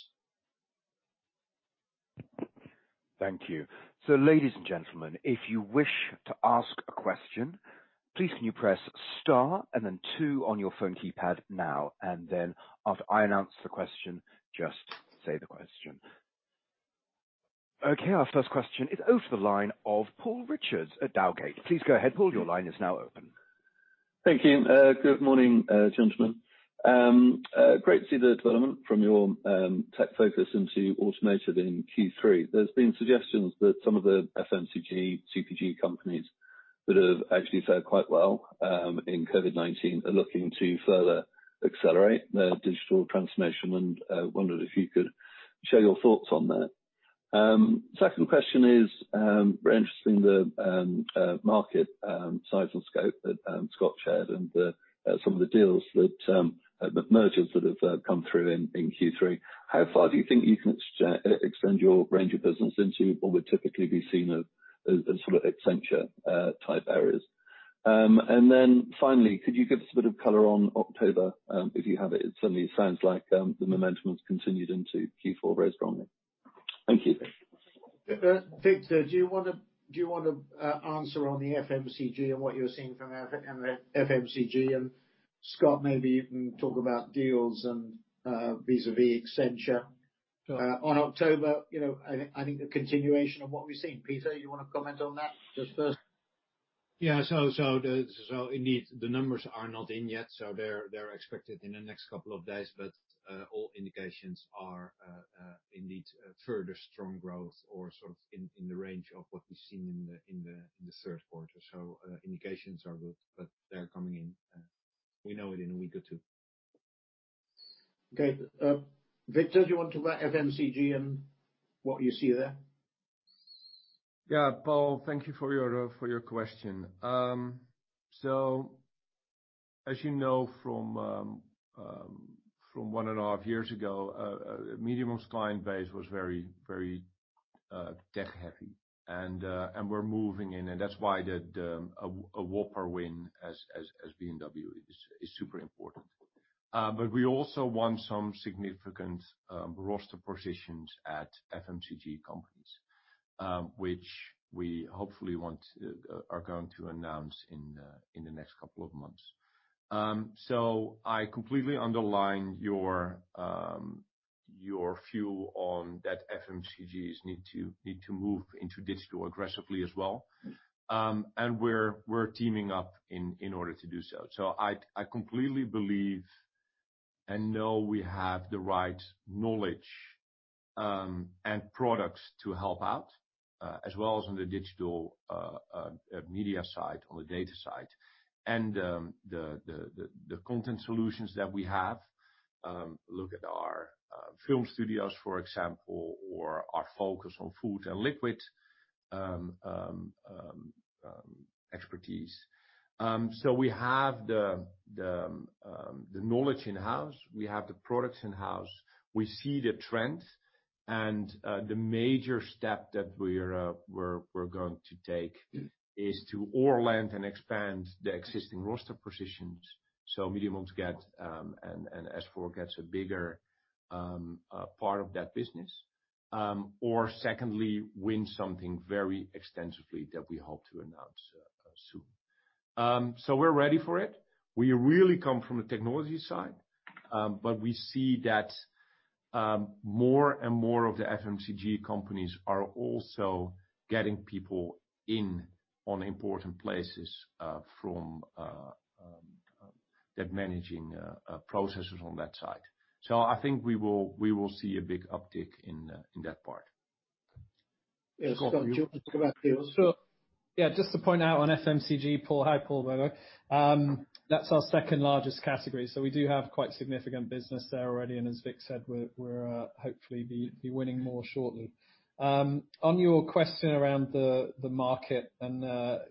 Thank you. Ladies and gentlemen, if you wish to ask a question, please can you press star and then two on your phone keypad now. After I announce the question, just say the question. Our first question is over the line of Paul Richards at Dowgate. Please go ahead, Paul. Your line is now open. Thank you. Good morning, gentlemen. Great to see the development from your tech focus into automotive in Q3. There's been suggestions that some of the FMCG, CPG companies that have actually fared quite well in COVID-19 are looking to further accelerate their digital transformation, and wondered if you could share your thoughts on that. Second question is very interesting, the market size and scope that Scott shared and some of the mergers that have come through in Q3. How far do you think you can extend your range of business into what would typically be seen as sort of Accenture-type areas? Finally, could you give us a bit of color on October, if you have it? It certainly sounds like the momentum has continued into Q4 very strongly. Thank you. Victor, do you want to answer on the FMCG and what you're seeing from FMCG? Scott, maybe you can talk about deals and vis-à-vis Accenture. On October, I think the continuation of what we've seen. Peter, you want to comment on that just first? Yeah. Indeed, the numbers are not in yet, so they're expected in the next couple of days. All indications are indeed further strong growth or sort of in the range of what we've seen in the third quarter. Indications are good, but they're coming in. We know it in a week or two. Okay. Victor, do you want to talk FMCG and what you see there? Yeah. Paul, thank you for your question. As you know from one and a half years ago, Media.Monks' client base was very tech-heavy. We're moving in, and that's why a whopper win as BMW is super important. We also won some significant roster positions at FMCG companies, which we hopefully are going to announce in the next couple of months. I completely underline your view on that FMCGs need to move into digital aggressively as well. We're teaming up in order to do so. I completely believe I know we have the right knowledge and products to help out, as well as on the digital media side, on the data side, and the content solutions that we have. Look at our film studios, for example, or our focus on food and liquid expertise. We have the knowledge in-house. We have the products in-house. We see the trends, and the major step that we're going to take is to land and expand the existing roster positions so Media.Monks and S4 gets a bigger part of that business. Secondly, win something very extensively that we hope to announce soon. We're ready for it. We really come from the technology side, but we see that more and more of the FMCG companies are also getting people in on important places from their managing processes on that side. I think we will see a big uptick in that part. Yes, Scott, do you want to talk about the other side? Sure. Just to point out on FMCG, Paul. Hi, Paul by the way. That's our second-largest category, so we do have quite significant business there already, and as Vic said, we'll hopefully be winning more shortly. On your question around the market and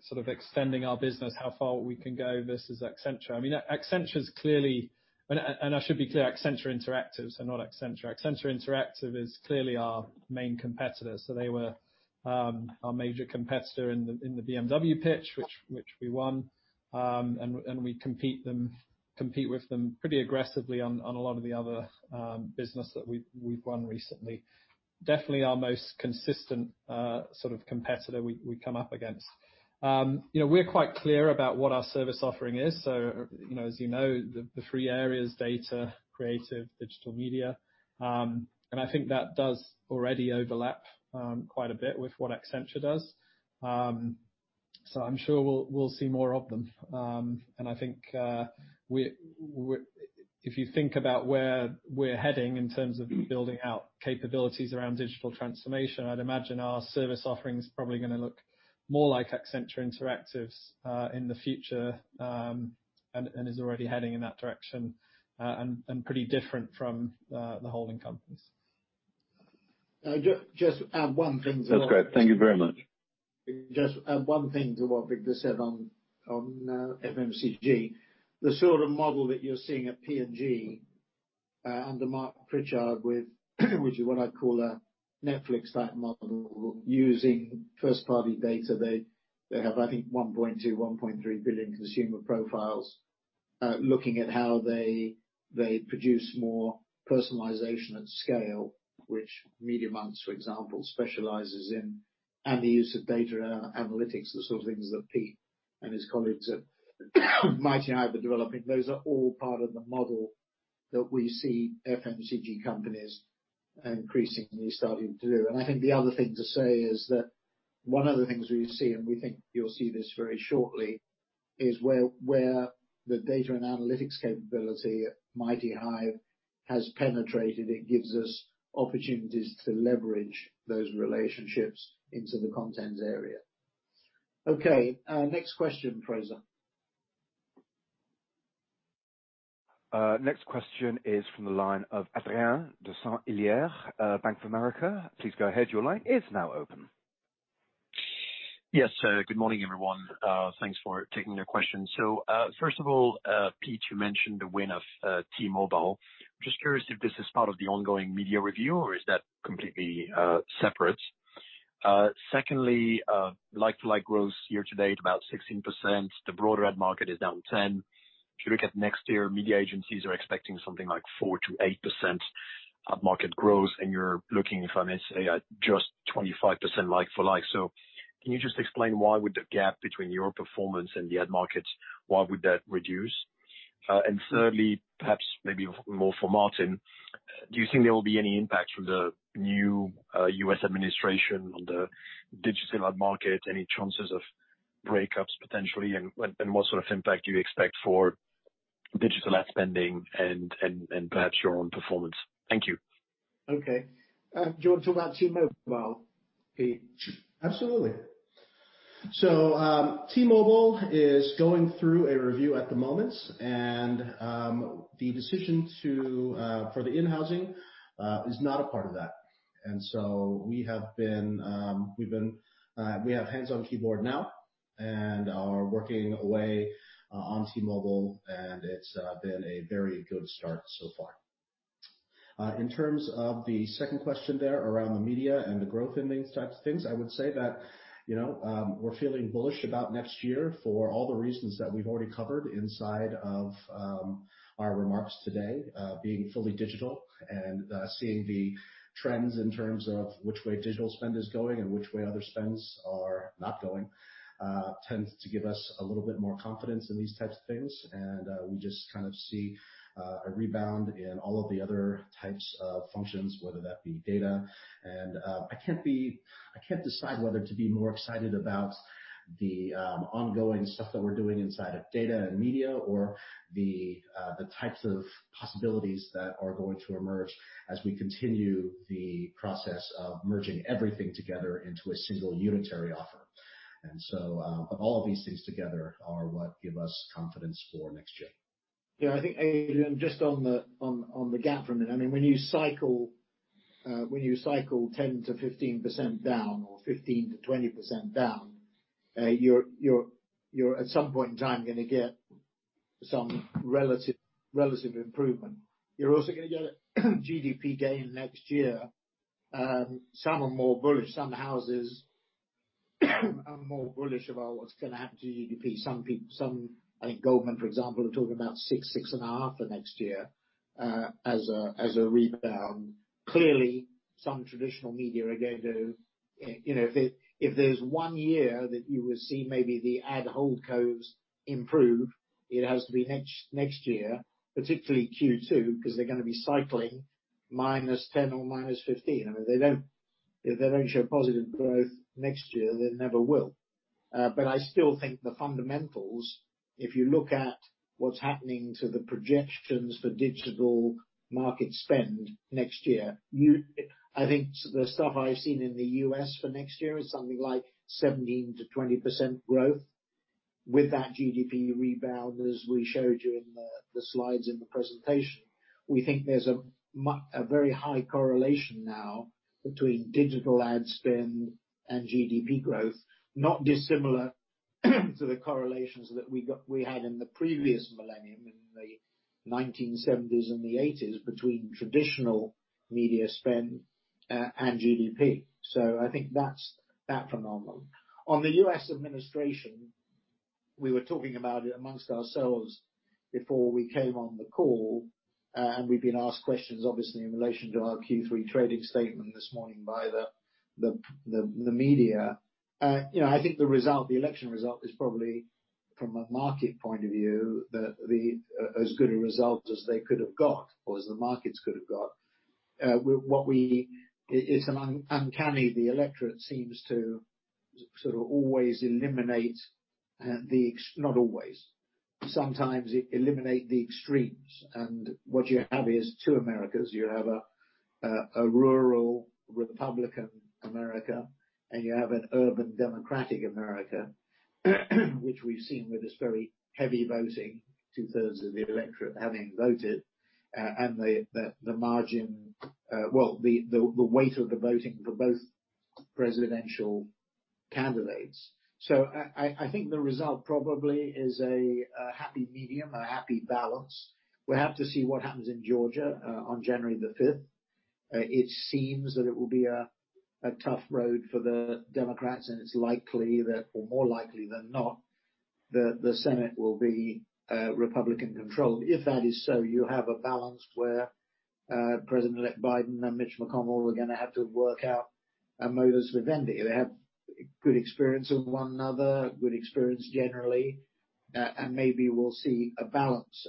sort of extending our business, how far we can go versus Accenture. I should be clear, Accenture Interactive, so not Accenture. Accenture Interactive is clearly our main competitor. They were our major competitor in the BMW pitch, which we won, and we compete with them pretty aggressively on a lot of the other business that we've won recently. Definitely our most consisten sort of competitor we come up against. We're quite clear about what our service offering is. As you know, the three areas, data, creative, digital media, and I think that does already overlap quite a bit with what Accenture does. I'm sure we'll see more of them. I think if you think about where we're heading in terms of building out capabilities around digital transformation, I'd imagine our service offering is probably going to look more like Accenture Interactive's in the future, and is already heading in that direction, and pretty different from the holding companies. Just add one thing to what. That's great. Thank you very much. Just add one thing to what Victor said on FMCG. The sort of model that you're seeing at P&G, under Marc Pritchard, which is what I'd call a Netflix-type model, using first-party data. They have, I think, 1.2, 1.3 billion consumer profiles, looking at how they produce more personalization at scale, which Media.Monks, for example, specializes in, and the use of data analytics, the sort of things that Pete and his colleagues at MightyHive are developing. Those are all part of the model that we see FMCG companies increasingly starting to do. I think the other thing to say is that one of the things we see, and we think you'll see this very shortly, is where the data and analytics capability at MightyHive has penetrated, it gives us opportunities to leverage those relationships into the content area. Okay, next question, Fraser. Next question is from the line of Adrien de Saint Hilaire, Bank of America. Please go ahead. Your line is now open. Yes. Good morning, everyone. Thanks for taking the question. First of all, Pete, you mentioned the win of T-Mobile. Just curious if this is part of the ongoing media review, or is that completely separate? Secondly, like-for-like growth year-to-date about 16%. The broader ad market is down 10%. If you look at next year, media agencies are expecting something like 4%-8% ad market growth, and you're looking, if I may say, at just 25% like-for-like. Can you just explain why would the gap between your performance and the ad markets, why would that reduce? Thirdly, perhaps maybe more for Martin, do you think there will be any impact from the new U.S. administration on the digital ad market? Any chances of breakups potentially, and what sort of impact do you expect for digital ad spending and perhaps your own performance? Thank you. Okay. Do you want to talk about T-Mobile, Pete? Absolutely. T-Mobile is going through a review at the moment, and the decision for the in-housing is not a part of that. We have hands on the keyboard now and are working away on T-Mobile, and it's been a very good start so far. In terms of the second question there around the media and the growth in these types of things, I would say that we're feeling bullish about next year for all the reasons that we've already covered inside of our remarks today. Being fully digital and seeing the trends in terms of which way digital spend is going and which way other spends are not going tends to give us a little bit more confidence in these types of things, and we just kind of see a rebound in all of the other types of functions, whether that be data. I can't decide whether to be more excited about the ongoing stuff that we're doing inside of data and media or the types of possibilities that are going to emerge as we continue the process of merging everything together into a single unitary offer. All of these things together are what give us confidence for next year. Yeah, I think, Adrien, just on the GAAP for a minute. When you cycle 10%-15% down or 15%-20% down, you're at some point in time going to get some relative improvement. You're also going to get a GDP gain next year. Some are more bullish. Some houses are more bullish about what's going to happen to GDP. I think Goldman, for example, are talking about 6%, 6.5% for next year as a rebound. Clearly, some traditional media are going to. If there's one year that you will see maybe the ad hold cos improve, it has to be next year, particularly Q2, because they're going to be cycling -10% or -15%. If they don't show positive growth next year, they never will. I still think the fundamentals, if you look at what's happening to the projections for digital market spend next year, I think the stuff I've seen in the U.S. for next year is something like 17%-20% growth with that GDP rebound, as we showed you in the slides in the presentation. We think there's a very high correlation now between digital ad spend and GDP growth, not dissimilar to the correlations that we had in the previous millennium, in the 1970s and the 1980s, between traditional media spend and GDP. I think that's that phenomenon. On the U.S. administration, we were talking about it amongst ourselves before we came on the call, and we've been asked questions, obviously, in relation to our Q3 trading statement this morning by the media. I think the election result is probably, from a market point of view, as good a result as they could have got, or as the markets could have got. It's uncanny, the electorate seems to sort of always eliminate, not always, sometimes eliminate the extremes. What you have is two Americas. You have a rural Republican America, and you have an urban Democratic America, which we've seen with this very heavy voting, two-thirds of the electorate having voted, and the margin, well, the weight of the voting for both presidential candidates. I think the result probably is a happy medium, a happy balance. We have to see what happens in Georgia on January the 5th. It seems that it will be a tough road for the Democrats, and it's more likely than not that the Senate will be Republican-controlled. If that is so, you have a balance where President-elect Biden and Mitch McConnell are going to have to work out a modus vivendi. They have good experience with one another, good experience generally, maybe we'll see a balance.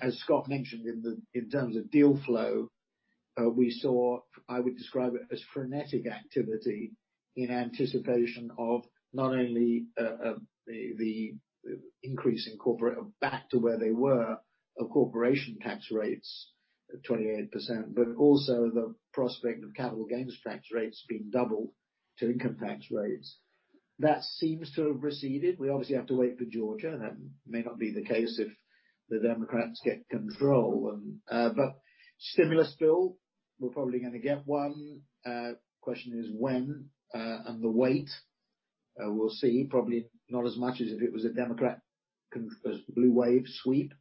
As Scott mentioned, in terms of deal flow, we saw, I would describe it as frenetic activity in anticipation of not only the increase in corporate back to where they were of corporation tax rates of 28%, but also the prospect of capital gains tax rates being doubled to income tax rates. That seems to have receded. We obviously have to wait for Georgia, and that may not be the case if the Democrats get control. Stimulus bill, we're probably going to get one. Question is when and the what. We'll see. Probably not as much as if it was a Democrat blue wave sweep,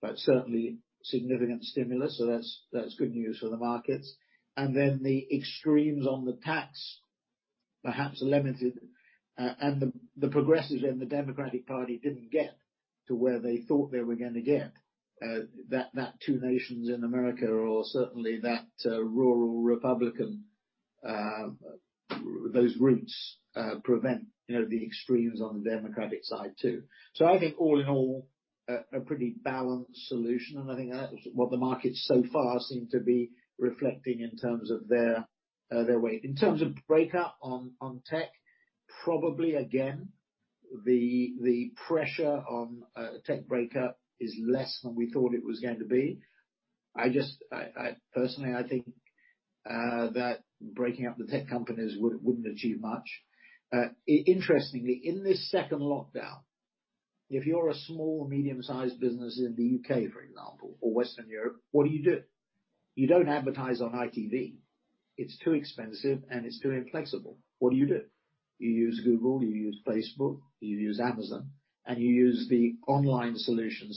but certainly significant stimulus, so that's good news for the markets. The extremes on the tax perhaps are limited. The progressives in the Democratic Party didn't get to where they thought they were going to get. That two nations in America or certainly that rural Republican, those roots prevent the extremes on the Democratic side, too. I think all in all, a pretty balanced solution. I think that is what the markets so far seem to be reflecting in terms of their weight. In terms of breakup on tech, probably, again, the pressure on tech breakup is less than we thought it was going to be. Personally, I think that breaking up the tech companies wouldn't achieve much. Interestingly, in this second lockdown, if you're a small or medium-sized business in the U.K., for example, or Western Europe, what do you do? You don't advertise on ITV. It's too expensive, and it's too inflexible. What do you do? You use Google, you use Facebook, you use Amazon, and you use the online solution.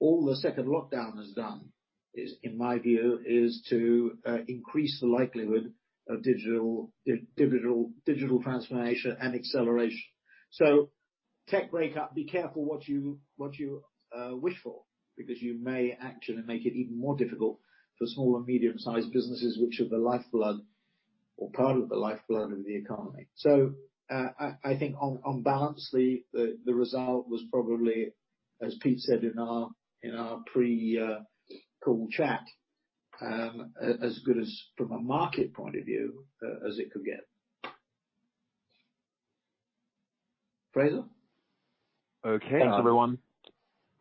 All the second lockdown has done, in my view, is to increase the likelihood of digital transformation and acceleration. Tech breakup, be careful what you wish for, because you may actually make it even more difficult for small and medium-sized businesses, which are the lifeblood or part of the lifeblood of the economy. I think on balance, the result was probably, as Pete said in our pre-call chat, as good as from a market point of view, as it could get. Fraser? Thanks, everyone.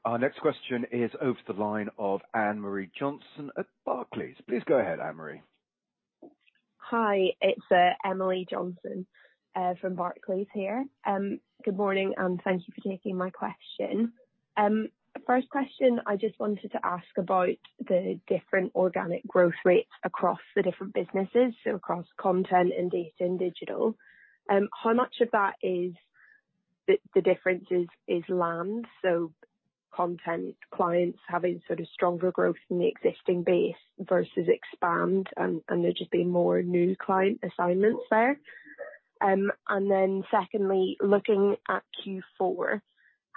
Our next question is over the line of Emily Johnson at Barclays. Please go ahead, Anne-Marie Hi, it's Emily Johnson from Barclays here. Good morning, and thank you for taking my question. First question, I just wanted to ask about the different organic growth rates across the different businesses, so across content and data and digital. How much of that is the differences is land, so content clients having sort of stronger growth in the existing base versus expand, and there just being more new client assignments there? Secondly, looking at Q4,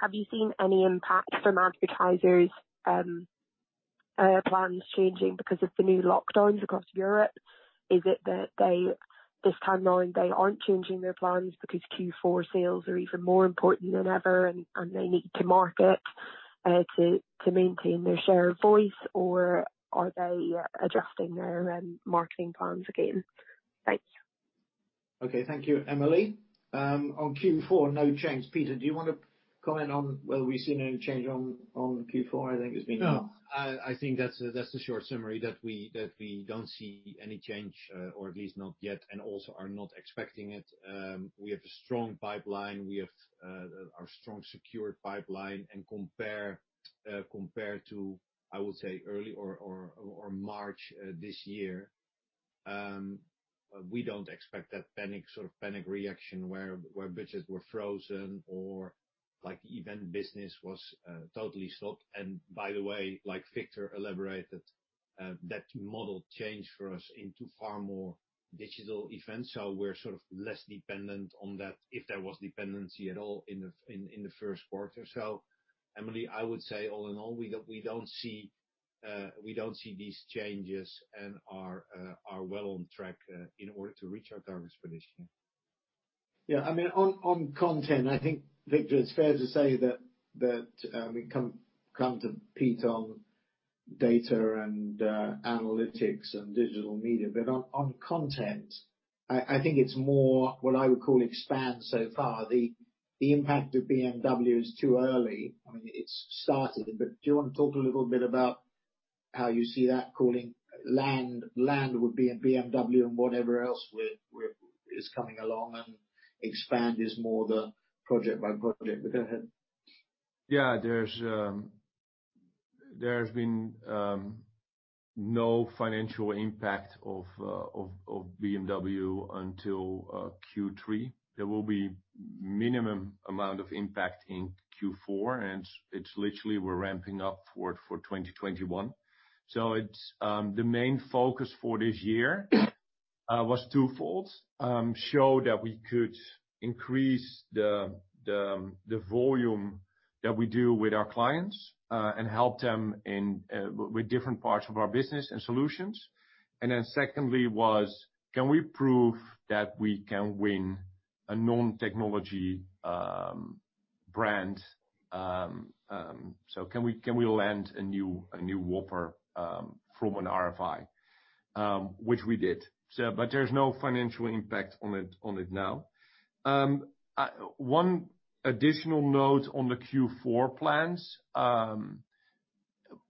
have you seen any impact from advertisers' plans changing because of the new lockdowns across Europe? Is it that this time around they aren't changing their plans because Q4 sales are even more important than ever and they need to market to maintain their share of voice, or are they adjusting their marketing plans again? Thanks. Okay. Thank you, Emily. On Q4, no change. Peter, do you want to comment on whether we’ve seen any change on Q4? No. I think that's the short summary, that we don't see any change, or at least not yet, and also are not expecting it. We have a strong pipeline. We have a strong secured pipeline. Compared to, I would say early or March this year, we don't expect that sort of panic reaction where budgets were frozen or event business was totally stopped. By the way, like Victor elaborated, that model changed for us into far more digital events, so we're sort of less dependent on that, if there was dependency at all in the first quarter. Emily, I would say all in all, we don't see these changes and are well on track in order to reach our targets for this year. Yeah, on content, I think Victor, it's fair to say that, come to Pete on data and analytics and digital media. On content, I think it's more what I would call expand so far. The impact of BMW is too early. It's started, but do you want to talk a little bit about how you see that calling land would be in BMW and whatever else is coming along and expand is more the project by project. Go ahead. Yeah. There has been no financial impact of BMW until Q3. There will be minimum amount of impact in Q4, and it's literally we're ramping up for it for 2021. The main focus for this year was twofold. Show that we could increase the volume that we do with our clients, and help them with different parts of our business and solutions. Secondly was, can we prove that we can win a non-technology brand? Can we land a new Whopper from an RFI, which we did. There's no financial impact on it now. One additional note on the Q4 plans.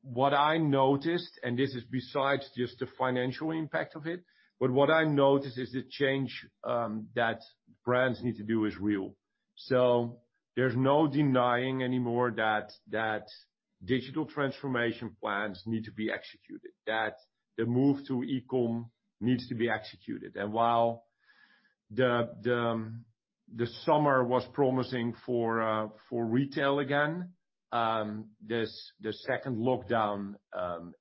What I noticed, and this is besides just the financial impact of it, but what I noticed is the change that brands need to do is real. There's no denying anymore that digital transformation plans need to be executed, that the move to e-com needs to be executed. While the summer was promising for retail again, this second lockdown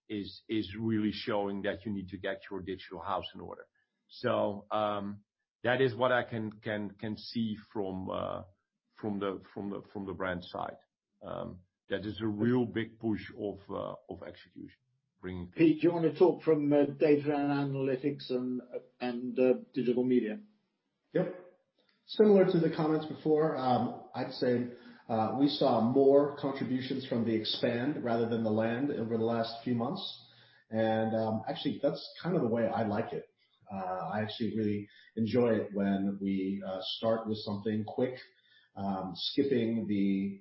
is really showing that you need to get your digital house in order. That is what I can see from the brand side. That there's a real big push of execution. Pete, do you want to talk from a data and analytics and digital media? Yep. Similar to the comments before, I'd say we saw more contributions from the expand rather than the land over the last few months. Actually, that's kind of the way I like it. I actually really enjoy it when we start with something quick, skipping the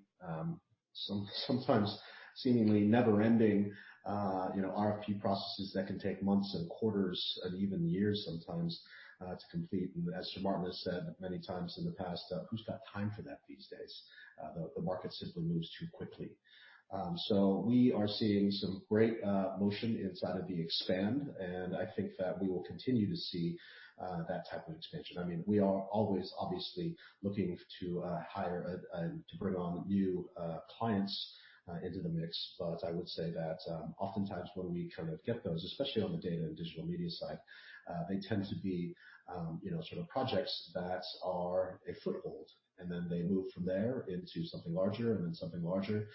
sometimes seemingly never-ending RFP processes that can take months and quarters and even years sometimes to complete. As Sir Martin has said many times in the past, who's got time for that these days? The market simply moves too quickly. We are seeing some great motion inside of the expand, and I think that we will continue to see that type of expansion. We are always obviously looking to hire and to bring on new clients into the mix. I would say that oftentimes when we get those, especially on the data and digital media side, they tend to be projects that are a foothold, and then they move from there into something larger, and then something larger.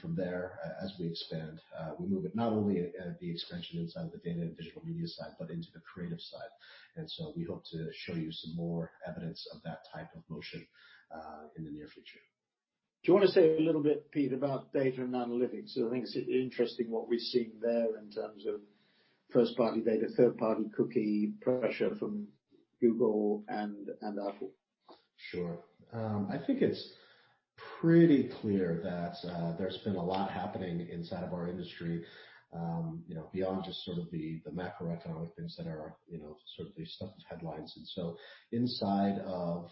From there, as we expand, we move it not only the expansion inside of the data and digital media side, but into the creative side. We hope to show you some more evidence of that type of motion in the near future. Do you want to say a little bit, Pete, about data and analytics? I think it's interesting what we're seeing there in terms of first-party data, third-party cookie pressure from Google and Apple. Sure. I think it's pretty clear that there's been a lot happening inside of our industry, beyond just sort of the macroeconomic things that are sort of the stuff of headlines. Inside of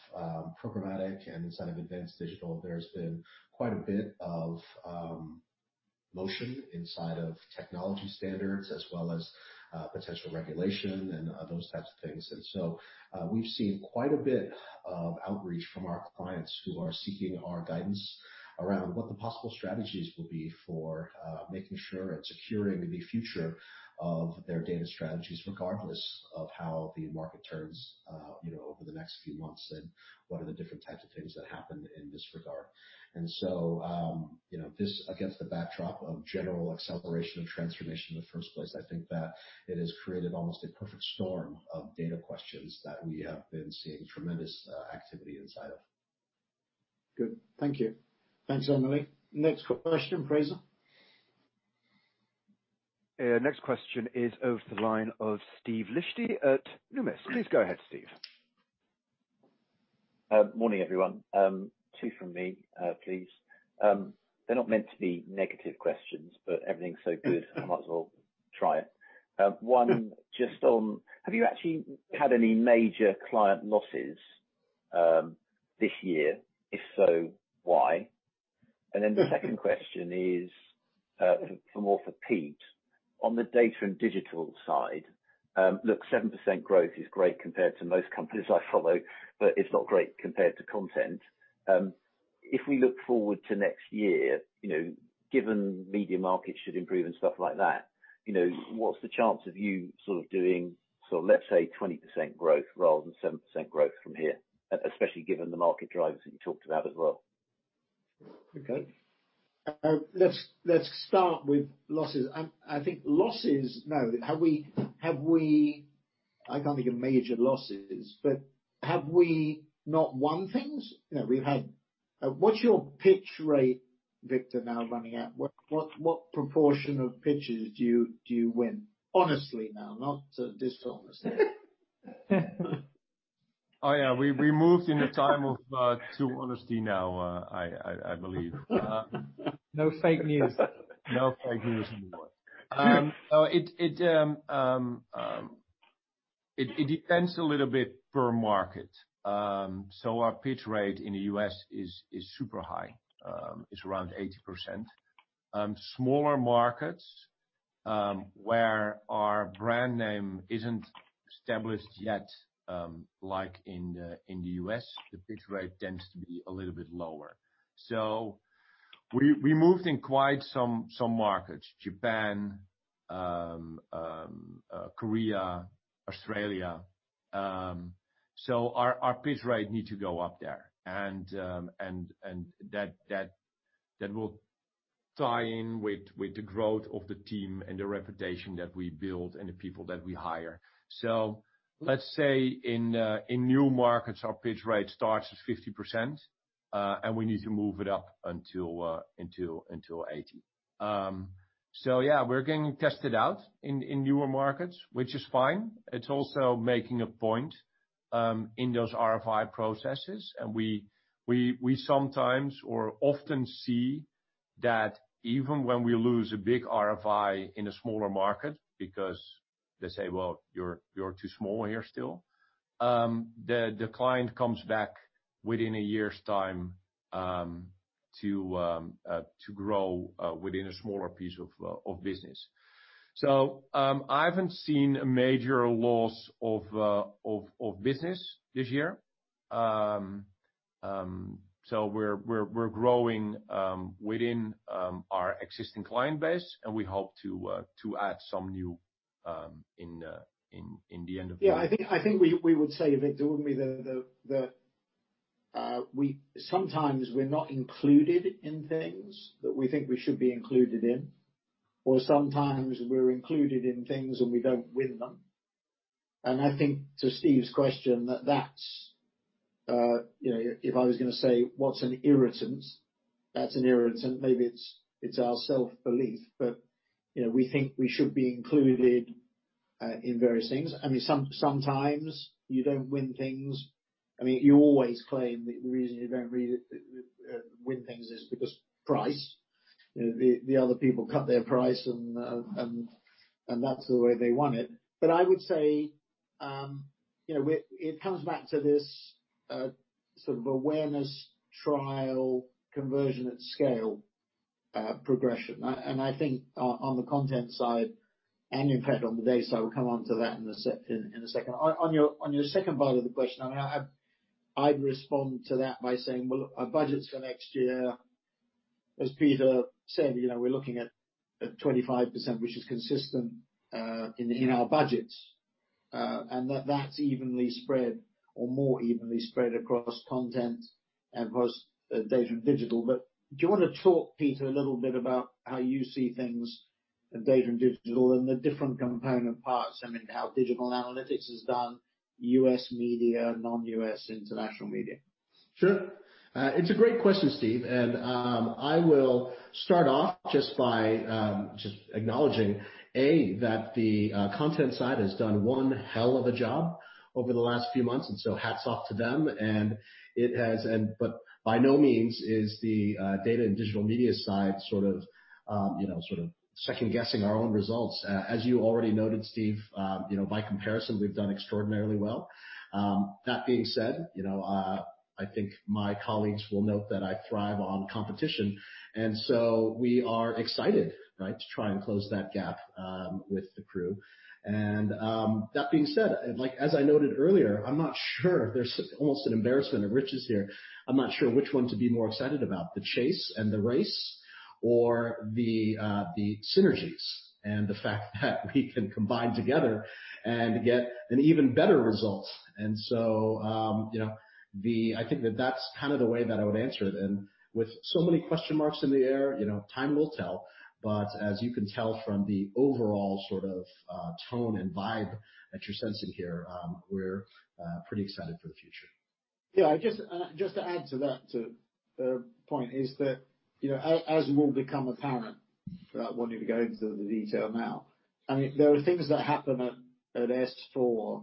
programmatic and inside of advanced digital, there's been quite a bit of motion inside of technology standards, as well as potential regulation and those types of things. We've seen quite a bit of outreach from our clients who are seeking our guidance around what the possible strategies will be for making sure and securing the future of their data strategies, regardless of how the market turns over the next few months, and what are the different types of things that happen in this regard. This against the backdrop of general acceleration of transformation in the first place, I think that it has created almost a perfect storm of data questions that we have been seeing tremendous activity inside of. Good. Thank you. Thanks, Emily. Next question, Fraser. Next question is over the line of Steve Liechti at Numis. Please go ahead, Steve. Morning, everyone. Two from me, please. They're not meant to be negative questions, but everything's so good, I might as well try it. Have you actually had any major client losses this year? If so, why? The second question is more for Pete. On the data and digital side, look, 7% growth is great compared to most companies I follow, but it's not great compared to content. If we look forward to next year, given media markets should improve and stuff like that, what's the chance of you sort of doing, let's say 20% growth rather than 7% growth from here, especially given the market drivers that you talked about as well? Okay. Let's start with losses. I think losses, no. I can't think of major losses. Have we not won things? What's your pitch rate, Victor, now running at? What proportion of pitches do you win? Honestly now, not dishonesty. Oh, yeah. We moved in a time of true honesty now, I believe. No fake news. No fake news anymore. It depends a little bit per market. Our pitch rate in the U.S. is super high. It's around 80%. Smaller markets, where our brand name isn't established yet, like in the U.S., the pitch rate tends to be a little bit lower. We moved in quite some markets, Japan, Korea, Australia. Our pitch rate need to go up there. That will tie in with the growth of the team and the reputation that we build and the people that we hire. Let's say in new markets, our pitch rate starts at 50%, and we need to move it up until 80%. We're getting tested out in newer markets, which is fine. It's also making a point in those RFI processes. We sometimes or often see that even when we lose a big RFI in a smaller market because they say, "Well, you're too small here still," the client comes back within a year's time, to grow within a smaller piece of business. I haven't seen a major loss of business this year. We're growing within our existing client base, and we hope to add some new in the end of the year. I think we would say, Victor, wouldn't we, that sometimes we're not included in things that we think we should be included in, or sometimes we're included in things and we don't win them. I think to Steve's question, that if I was going to say, what's an irritant, that's an irritant. Maybe it's our self-belief, but we think we should be included in various things. Sometimes you don't win things. You always claim that the reason you don't win things is because price. The other people cut their price, and that's the way they want it. I would say, it comes back to this sort of awareness, trial, conversion at scale progression. I think on the content side and impact on the data side, we'll come onto that in a second. On your second part of the question, I'd respond to that by saying, well, look, our budgets for next year, as Peter said, we're looking at 25%, which is consistent in our budgets. That's evenly spread or more evenly spread across content and data and digital. Do you want to talk, Peter, a little bit about how you see things in data and digital and the different component parts? I mean, how digital analytics has done U.S. media, non-U.S., international media. Sure. It's a great question, Steve. I will start off just by just acknowledging, A, that the content side has done one hell of a job over the last few months, hats off to them. By no means is the data and digital media side sort of second-guessing our own results. As you already noted, Steve, by comparison, we've done extraordinarily well. That being said, I think my colleagues will note that I thrive on competition, so we are excited to try and close that gap with the crew. That being said, as I noted earlier, there's almost an embarrassment of riches here. I'm not sure which one to be more excited about, the chase and the race, or the synergies and the fact that we can combine together and get an even better result. I think that that's kind of the way that I would answer it. With so many question marks in the air, time will tell. As you can tell from the overall sort of tone and vibe that you're sensing here, we're pretty excited for the future. Just to add to that point is that, as will become apparent, without wanting to go into the detail now, there are things that happen at S4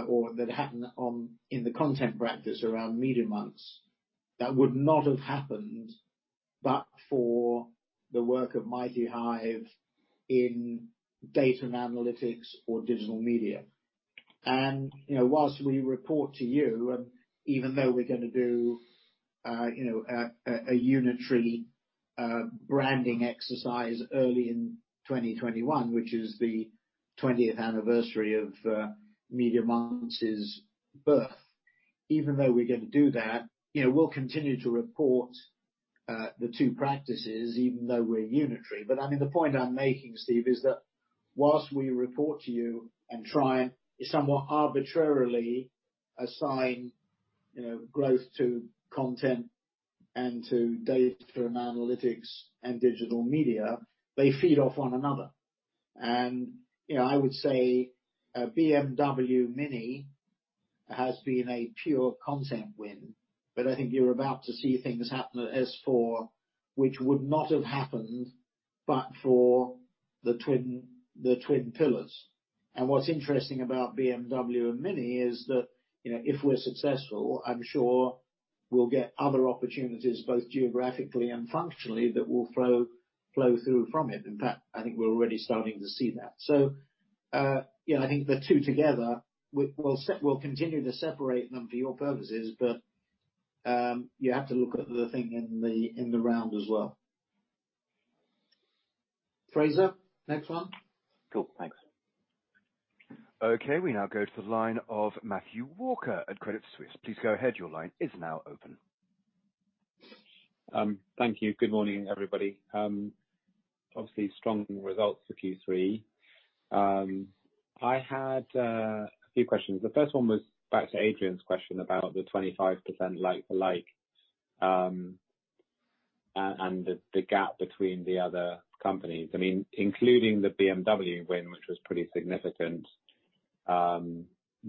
or that happen in the content practice around Media.Monks that would not have happened but for the work of MightyHive in data and analytics or digital media. Whilst we report to you, and even though we're going to do a unitary branding exercise early in 2021, which is the 20th anniversary of Media.Monks's birth. Even though we're going to do that, we'll continue to report the two practices even though we're unitary. The point I'm making, Steve, is that whilst we report to you and try and somewhat arbitrarily assign growth to content and to data and analytics and digital media, they feed off one another. I would say BMW Mini has been a pure content win, but I think you're about to see things happen at S4 which would not have happened but for the twin pillars. What's interesting about BMW and Mini is that if we're successful, I'm sure we'll get other opportunities, both geographically and functionally, that will flow through from it. In fact, I think we're already starting to see that. I think the two together, we'll continue to separate them for your purposes, but you have to look at the thing in the round as well. Fraser, next one. Cool. Thanks. Okay, we now go to the line of Matthew Walker at Credit Suisse. Please go ahead. Your line is now open. Thank you. Good morning, everybody. Obviously strong results for Q3. I had a few questions. The first one was back to Adrien's question about the 25% like-for-like, and the gap between the other companies. Including the BMW win, which was pretty significant. I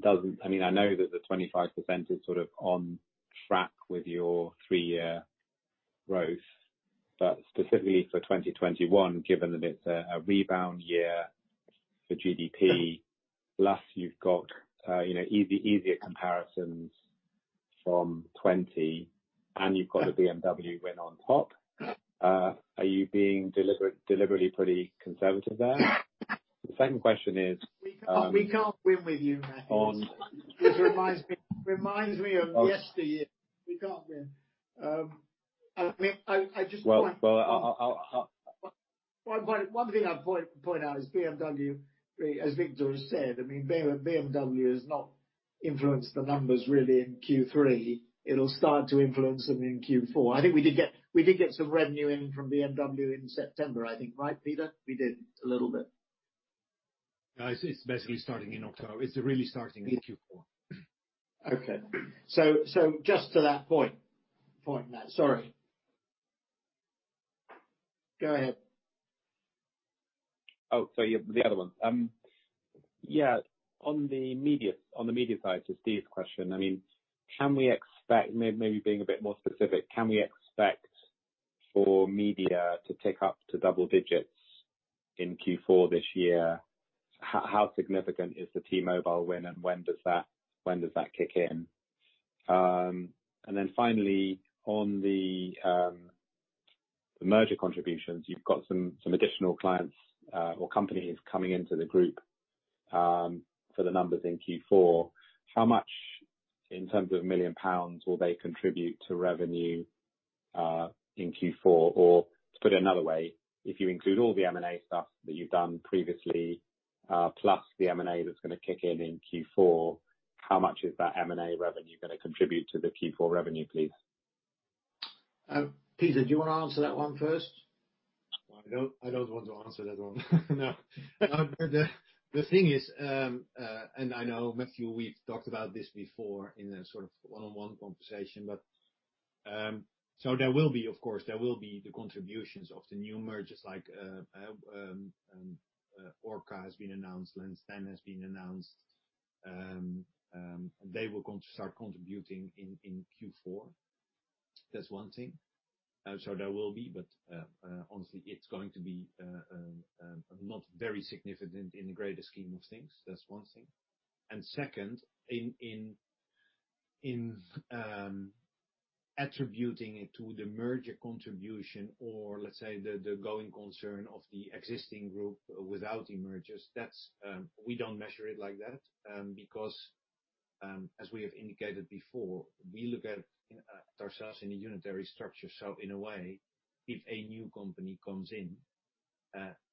know that the 25% is sort of on track with your three-year growth, but specifically for 2021, given that it's a rebound year for GDP, plus you've got easier comparisons from 2020, and you've got a BMW win on top. Are you being deliberately pretty conservative there? The second question is- We can't win with you, Matt. On- This reminds me of yesteryear. We can't win. I just want. Well, I- One thing I'd point out is BMW, as Victor has said, BMW has not influenced the numbers really in Q3. It'll start to influence them in Q4. I think we did get some revenue in from BMW in September, I think. Right, Pieter? We did a little bit. It's basically starting in October. It's really starting in Q4. Okay. just to that point, Matt, sorry. Go ahead. Oh, sorry. The other one. Yeah. On the media side, to Steve's question, maybe being a bit more specific, can we expect for media to tick up to double digits in Q4 this year? How significant is the T-Mobile win, and when does that kick in? Then finally, on the merger contributions, you've got some additional clients or companies coming into the group for the numbers in Q4. How much, in terms of million pounds, will they contribute to revenue in Q4? To put it another way, if you include all the M&A stuff that you've done previously, plus the M&A that's going to kick in Q4, how much is that M&A revenue going to contribute to the Q4 revenue, please? Pieter, do you want to answer that one first? I don't want to answer that one. No. The thing is, I know, Matthew, we've talked about this before in a sort of one-on-one conversation, but. Of course, there will be the contributions of the new mergers, like Orca has been announced, Lens10 has been announced. They will start contributing in Q4. That's one thing. There will be, but honestly, it's going to be not very significant in the greater scheme of things. That's one thing. Second, in attributing it to the merger contribution or let's say the going concern of the existing group without the mergers, we don't measure it like that. As we have indicated before, we look at ourselves in a unitary structure. In a way, if a new company comes in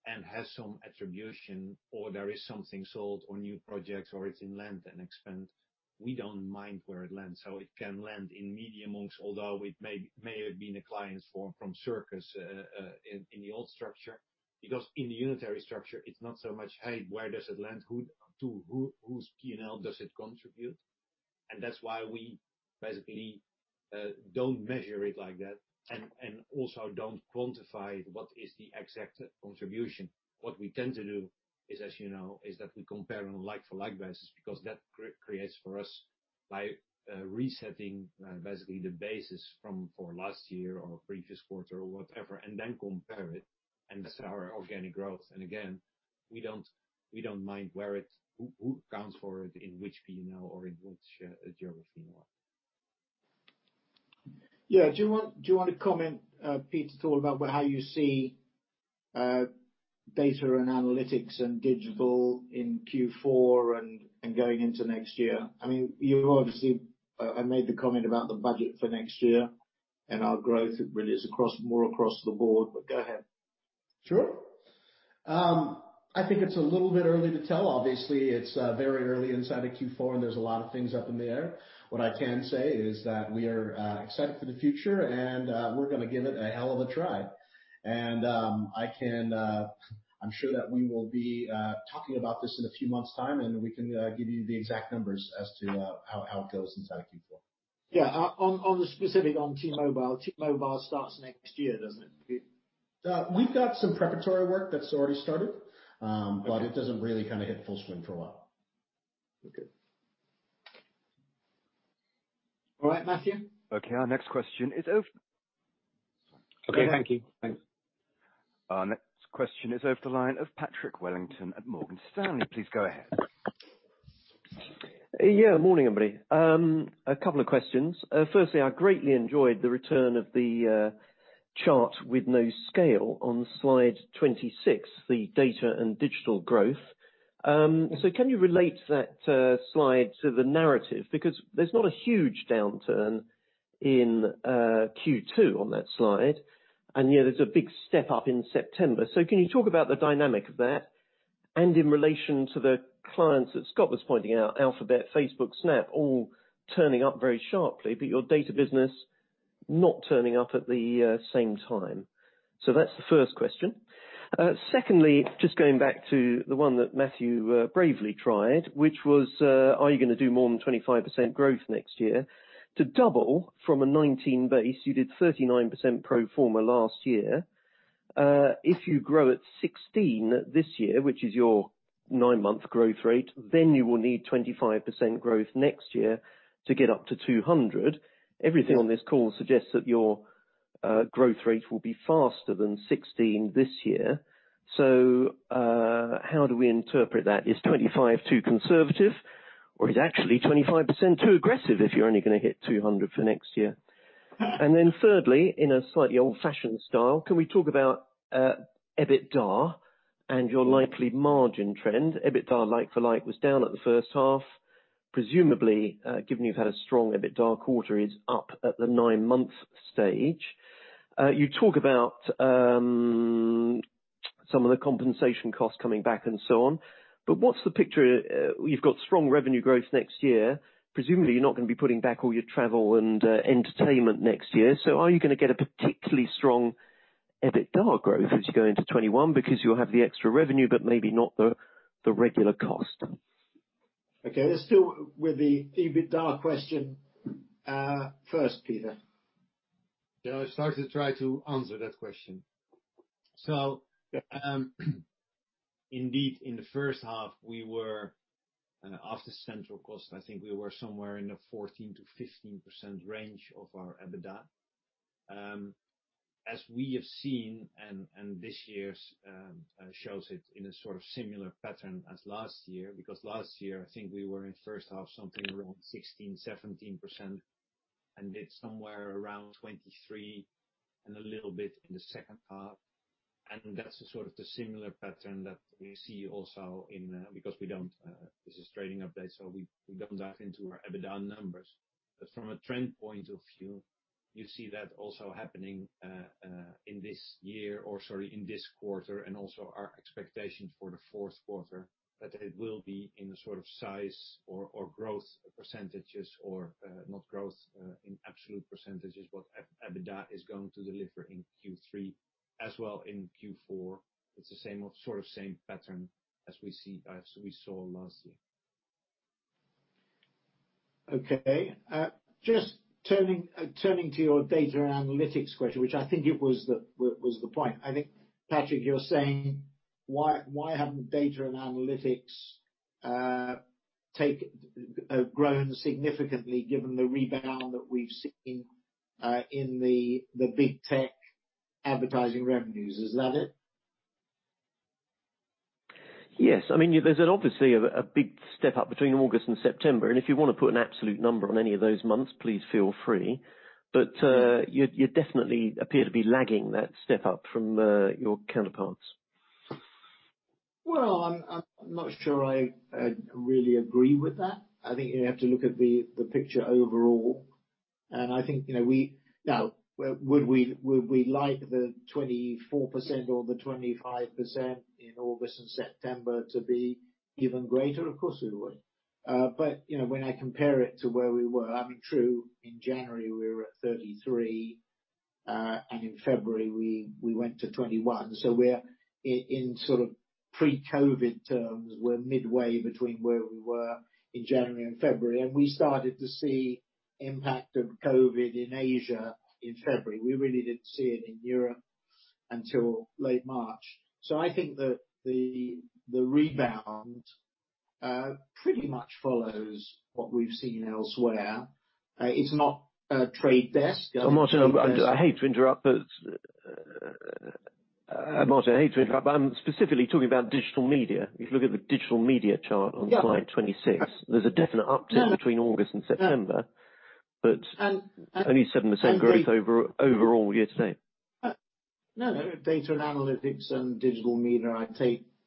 and has some attribution or there is something sold or new projects, or it's in land and expand, we don't mind where it lands. It can land in Media.Monks, although it may have been a client from Circus in the old structure, because in the unitary structure, it's not so much, "Hey, where does it land? To whose P&L does it contribute?" That's why we basically don't measure it like that. Also don't quantify what is the exact contribution. What we tend to do is, as you know, is that we compare on a like-for-like basis, because that creates for us by resetting basically the basis from for last year or previous quarter or whatever, and then compare it. That's our organic growth. Again, we don't mind who accounts for it, in which P&L or in which geography nor whatnot. Yeah. Do you want to comment, Peter, at all about how you see data and analytics and digital in Q4 and going into next year? I mean, you obviously made the comment about the budget for next year, and our growth really is more across the board, but go ahead. Sure. I think it's a little bit early to tell. Obviously, it's very early inside of Q4, and there's a lot of things up in the air. What I can say is that we are excited for the future, and we're going to give it a hell of a try. I'm sure that we will be talking about this in a few months' time, and we can give you the exact numbers as to how it goes inside of Q4. Yeah. On the specific on T-Mobile, T-Mobile starts next year, doesn't it? We've got some preparatory work that's already started. Okay. It doesn't really hit full swing for a while. Okay. All right, Matthew? Okay. Our next question is. Okay. Thank you. Thanks. Our next question is over the line of Patrick Wellington at Morgan Stanley. Please go ahead. Morning, everybody. A couple of questions. Firstly, I greatly enjoyed the return of the chart with no scale on slide 26, the data and digital growth. Can you relate that slide to the narrative? Because there's not a huge downturn in Q2 on that slide, and yet there's a big step up in September. Can you talk about the dynamic of that and in relation to the clients that Scott was pointing out, Alphabet, Facebook, Snap, all turning up very sharply, but your data business not turning up at the same time. That's the first question. Secondly, just going back to the one that Matthew bravely tried, which was, are you going to do more than 25% growth next year? To double from a 19 base, you did 39% pro forma last year. If you grow at 16 this year, which is your nine-month growth rate, you will need 25% growth next year to get up to 200. Everything on this call suggests that your growth rate will be faster than 16 this year. How do we interpret that? Is 25 too conservative? Is actually 25% too aggressive if you're only going to hit 200 for next year? Thirdly, in a slightly old-fashioned style, can we talk about EBITDA and your likely margin trend? EBITDA like-for-like was down at the first half. Presumably, given you've had a strong EBITDA quarter, it's up at the nine-month stage. You talk about some of the compensation costs coming back and so on. What's the picture? You've got strong revenue growth next year. Presumably, you're not going to be putting back all your travel and entertainment next year. Are you going to get a particularly strong EBITDA growth as you go into 2021 because you'll have the extra revenue, but maybe not the regular cost? Okay. Let's deal with the EBITDA question first, Pieter. Yeah, I'll start to try to answer that question. Indeed, in the first half, we were off the central cost. I think we were somewhere in the 14%-15% range of our EBITDA. As we have seen, and this year shows it in a sort of similar pattern as last year, because last year, I think we were in first half something around 16%-17% and did somewhere around 23 and a little bit in the second half. That's the sort of the similar pattern that we see also in, because this is trading update, so we don't dive into our EBITDA numbers. From a trend point of view, you see that also happening in this year, or sorry, in this quarter and also our expectations for the fourth quarter, that it will be in the sort of size or growth percentages, or not growth, in absolute percentages, what EBITDA is going to deliver in Q3 as well in Q4. It's the sort of same pattern as we saw last year. Okay. Just turning to your data and analytics question, which I think it was the point. I think, Patrick, you're saying, why haven't data and analytics grown significantly given the rebound that we've seen in the big tech advertising revenues, is that it? Yes. There's obviously a big step up between August and September, and if you want to put an absolute number on any of those months, please feel free. You definitely appear to be lagging that step up from your counterparts. Well, I'm not sure I really agree with that. I think you have to look at the picture overall, and I think, now would we like the 24% or the 25% in August and September to be even greater? Of course, we would. When I compare it to where we were, true, in January, we were at 33, and in February we went to 21. We're in sort of pre-COVID terms, we're midway between where we were in January and February. We started to see impact of COVID in Asia in February. We really didn't see it in Europe until late March. I think that the rebound pretty much follows what we've seen elsewhere. It's not Trade Desk- Martin, I hate to interrupt, but I'm specifically talking about digital media. If you look at the digital media chart on slide 26, there's a definite uptick between August and September. No. Only 7% growth overall year to date. No. Data and analytics and digital media I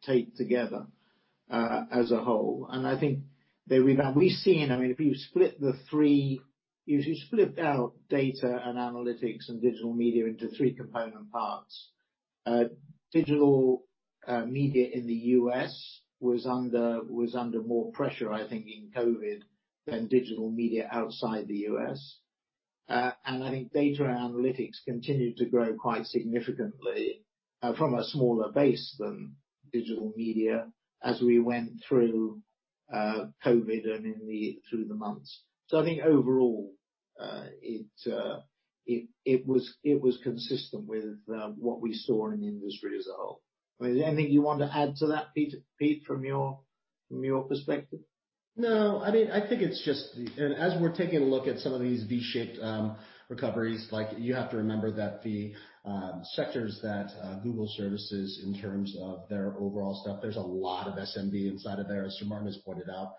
take together as a whole. I think that we've seen, if you split out data and analytics and digital media into three component parts, digital media in the U.S. was under more pressure, I think, in COVID than digital media outside the U.S. I think data analytics continued to grow quite significantly from a smaller base than digital media as we went through COVID and through the months. I think overall, it was consistent with what we saw in the industry as a whole. Is there anything you want to add to that, Pete, from your perspective? No. I think it's just, as we're taking a look at some of these V-shaped recoveries, you have to remember that the sectors that Google services in terms of their overall stuff, there's a lot of SMB inside of there, as Sir Martin has pointed out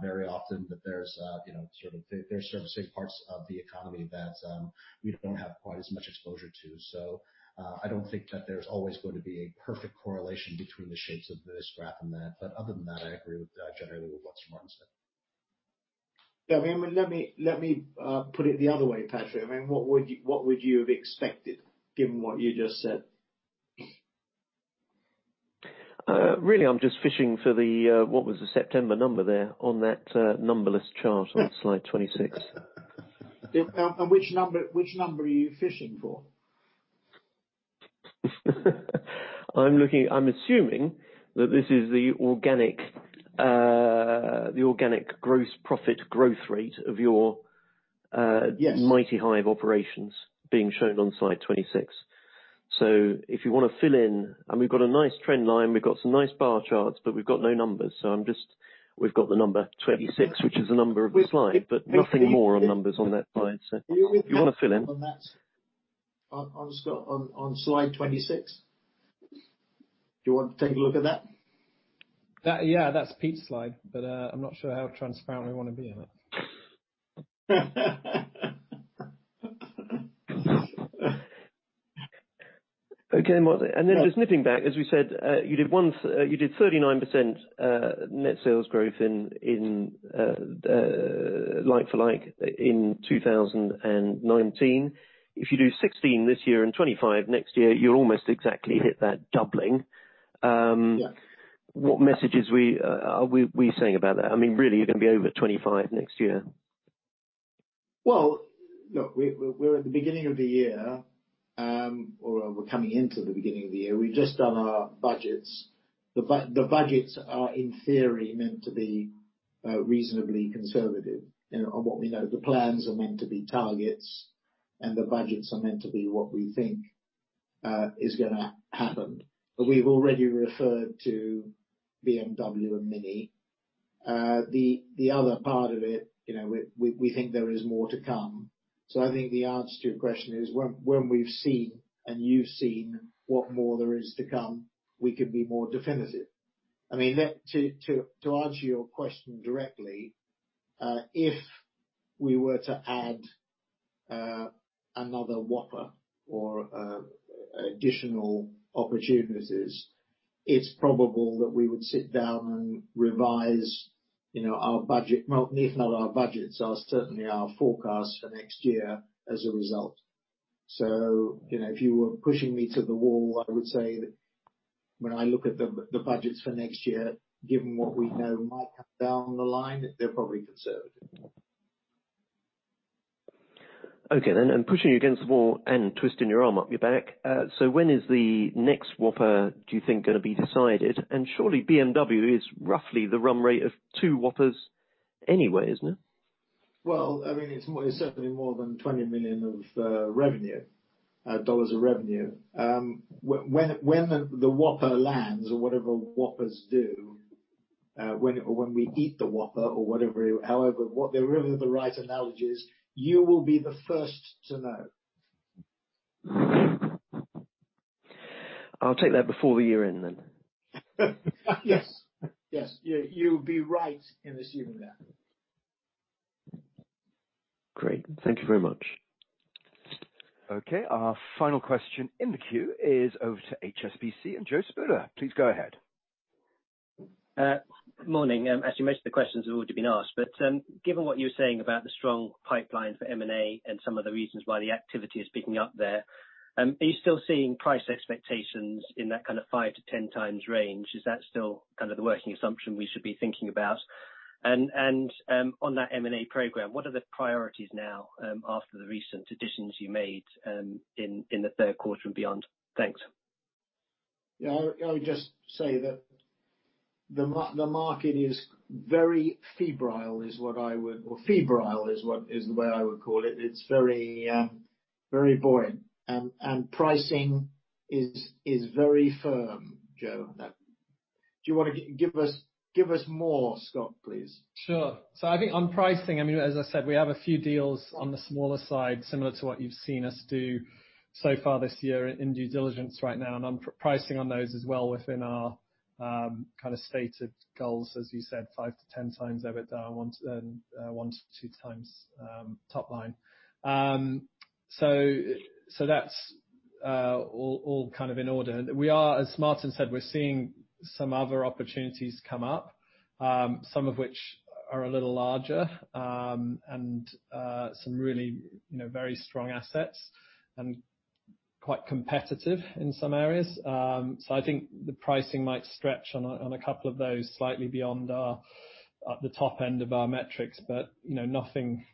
very often, that there's safe parts of the economy that we don't have quite as much exposure to. I don't think that there's always going to be a perfect correlation between the shapes of this graph and that. Other than that, I agree generally with what Sir Martin said. Let me put it the other way, Patrick. What would you have expected given what you just said? Really, I'm just fishing for what was the September number there on that numberless chart on slide 26. Which number are you fishing for? I'm assuming that this is the organic gross profit growth rate of your- Yes. MightyHive operations being shown on slide 26. If you want to fill in, and we've got a nice trend line, we've got some nice bar charts, but we've got no numbers, so I'm just, we've got the number 26, which is the number of the slide, but nothing more on numbers on that slide. Do you want to fill in? On slide 26? Do you want to take a look at that? Yeah, that's Pete's slide, but I'm not sure how transparent we want to be on it. Okay, Martin. Just nipping back, as we said, you did 39% net sales growth in like-for-like in 2019. If you do 16 this year and 25 next year, you'll almost exactly hit that doubling. Yeah. What messages are we saying about that? Really, you're going to be over 25 next year. Well, look, we're at the beginning of the year, or we're coming into the beginning of the year. We've just done our budgets. The budgets are, in theory, meant to be reasonably conservative. On what we know, the plans are meant to be targets, and the budgets are meant to be what we think is gonna happen. We've already referred to BMW and Mini. The other part of it, we think there is more to come. I think the answer to your question is, when we've seen and you've seen what more there is to come, we can be more definitive. To answer your question directly, if we were to add another whopper or additional opportunities, it's probable that we would sit down and revise our budget. Well, if not our budgets, certainly our forecast for next year as a result. If you were pushing me to the wall, I would say that when I look at the budgets for next year, given what we know might come down the line, they're probably conservative. Okay, I'm pushing you against the wall and twisting your arm up your back. When is the next whopper, do you think, going to be decided? Surely BMW is roughly the run rate of two whoppers anyway, isn't it? Well, it's certainly more than $20 million of revenue, dollars of revenue. When the whopper lands or whatever whoppers do, when we eat the whopper or whatever, however, whatever the right analogy is, you will be the first to know. I'll take that before the year-end then. Yes. You would be right in assuming that. Great. Thank you very much. Okay. Our final question in the queue is over to HSBC and Joe Spooner. Please go ahead. Morning. Actually, most of the questions have already been asked. Given what you were saying about the strong pipeline for M&A and some of the reasons why the activity is picking up there, are you still seeing price expectations in that 5-10 times range? Is that still kind of the working assumption we should be thinking about? On that M&A program, what are the priorities now after the recent additions you made in the third quarter and beyond? Thanks. Yeah. I would just say that the market is very febrile, is the way I would call it. It's very boring. Pricing is very firm, Joe. Do you want to give us more, Scott, please? Sure. I think on pricing, as I said, we have a few deals on the smaller side, similar to what you've seen us do so far this year in due diligence right now, and on pricing on those as well within our stated goals, as you said, five to 10 times EBITDA and one to two times top line. That's all kind of in order. We are, as Martin said, we're seeing some other opportunities come up, some of which are a little larger, and some really very strong assets and quite competitive in some areas. I think the pricing might stretch on a couple of those slightly beyond the top end of our metrics, but nothing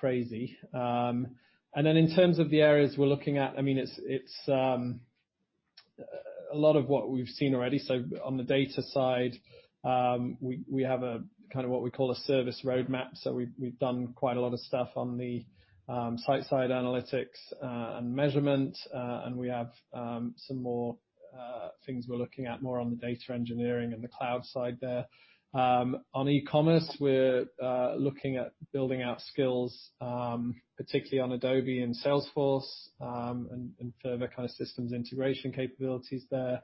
crazy. In terms of the areas we're looking at, it's a lot of what we've seen already. On the data side, we have what we call a service roadmap. We've done quite a lot of stuff on the site side analytics and measurement. We have some more things we're looking at more on the data engineering and the cloud side there. On e-commerce, we're looking at building out skills, particularly on Adobe and Salesforce, and further kind of systems integration capabilities there.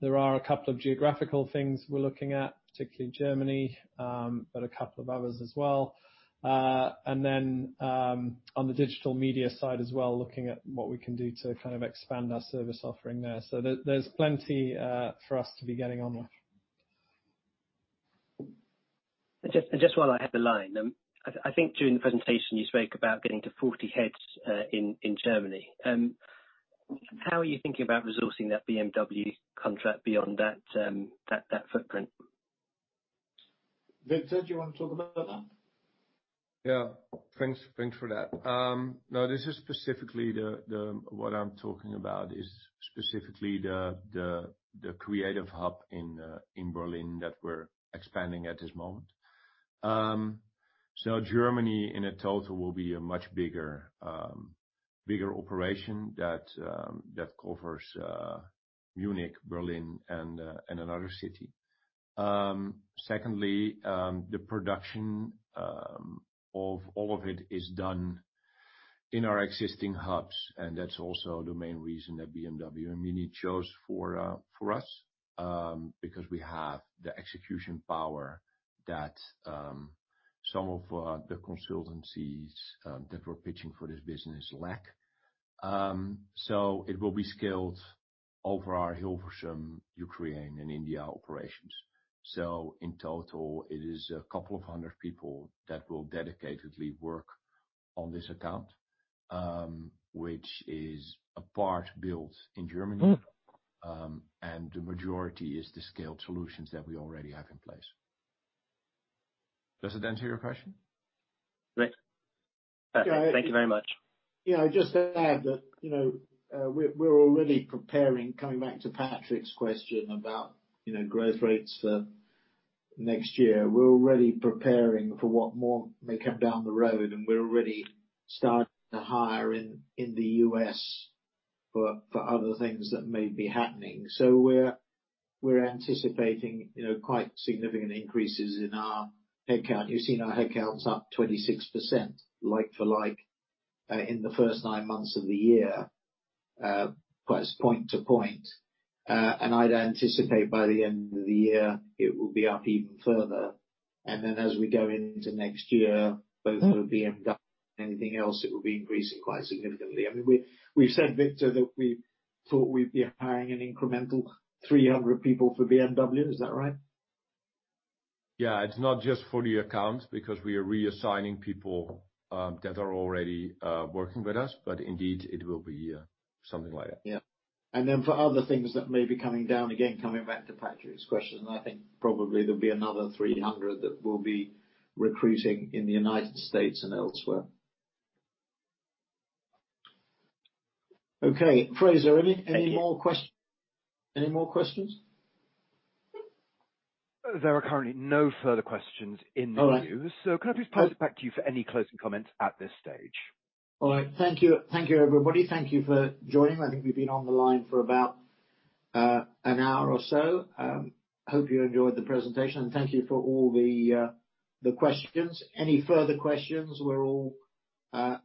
There are a couple of geographical things we're looking at, particularly Germany, but a couple of others as well. On the digital media side as well, looking at what we can do to kind of expand our service offering there. There's plenty for us to be getting on with. Just while I have the line, I think during the presentation you spoke about getting to 40 heads in Germany. How are you thinking about resourcing that BMW contract beyond that footprint? Victor, do you want to talk about that? Yeah. Thanks for that. No, this is specifically what I'm talking about is specifically the creative hub in Berlin that we're expanding at this moment. Germany in a total will be a much bigger operation that covers Munich, Berlin, and another city. Secondly, the production of all of it is done in our existing hubs, and that's also the main reason that BMW and Mini chose for us, because we have the execution power that some of the consultancies that were pitching for this business lack. It will be scaled over our Hilversum, Ukraine, and India operations. In total, it is a couple of hundred people that will dedicatedly work on this account, which is a part built in Germany. The majority is the scaled solutions that we already have in place. Does that answer your question? Great. Perfect. Thank you very much. Just to add that we're already preparing, coming back to Patrick's question about growth rates next year. We're already preparing for what more may come down the road, and we're already starting to hire in the U.S. for other things that may be happening. We're anticipating quite significant increases in our headcount. You've seen our headcounts up 26% like-for-like in the first nine months of the year, point to point. I'd anticipate by the end of the year, it will be up even further. Then as we go into next year, both for BMW and anything else, it will be increasing quite significantly. We've said, Victor, that we thought we'd be hiring an incremental 300 people for BMW. Is that right? Yeah. It's not just for the account because we are reassigning people that are already working with us, but indeed it will be something like that. Yeah. For other things that may be coming down, again, coming back to Patrick's question, I think probably there'll be another 300 that we'll be recruiting in the U.S. and elsewhere. Okay, Fraser, any more questions? There are currently no further questions in the queue. All right. Could I please pass it back to you for any closing comments at this stage? All right. Thank you, everybody. Thank you for joining. I think we've been on the line for about an hour or so. Hope you enjoyed the presentation. Thank you for all the questions. Any further questions, we're all at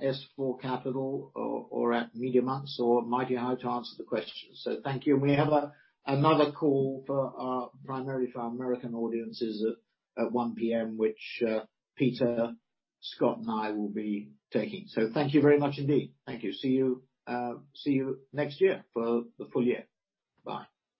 S4 Capital or at Media.Monks, or MightyHive to answer the questions. Thank you. We have another call primarily for our American audiences at 1:00 P.M., which Peter, Scott, and I will be taking. Thank you very much indeed. Thank you. See you next year for the full year. Bye.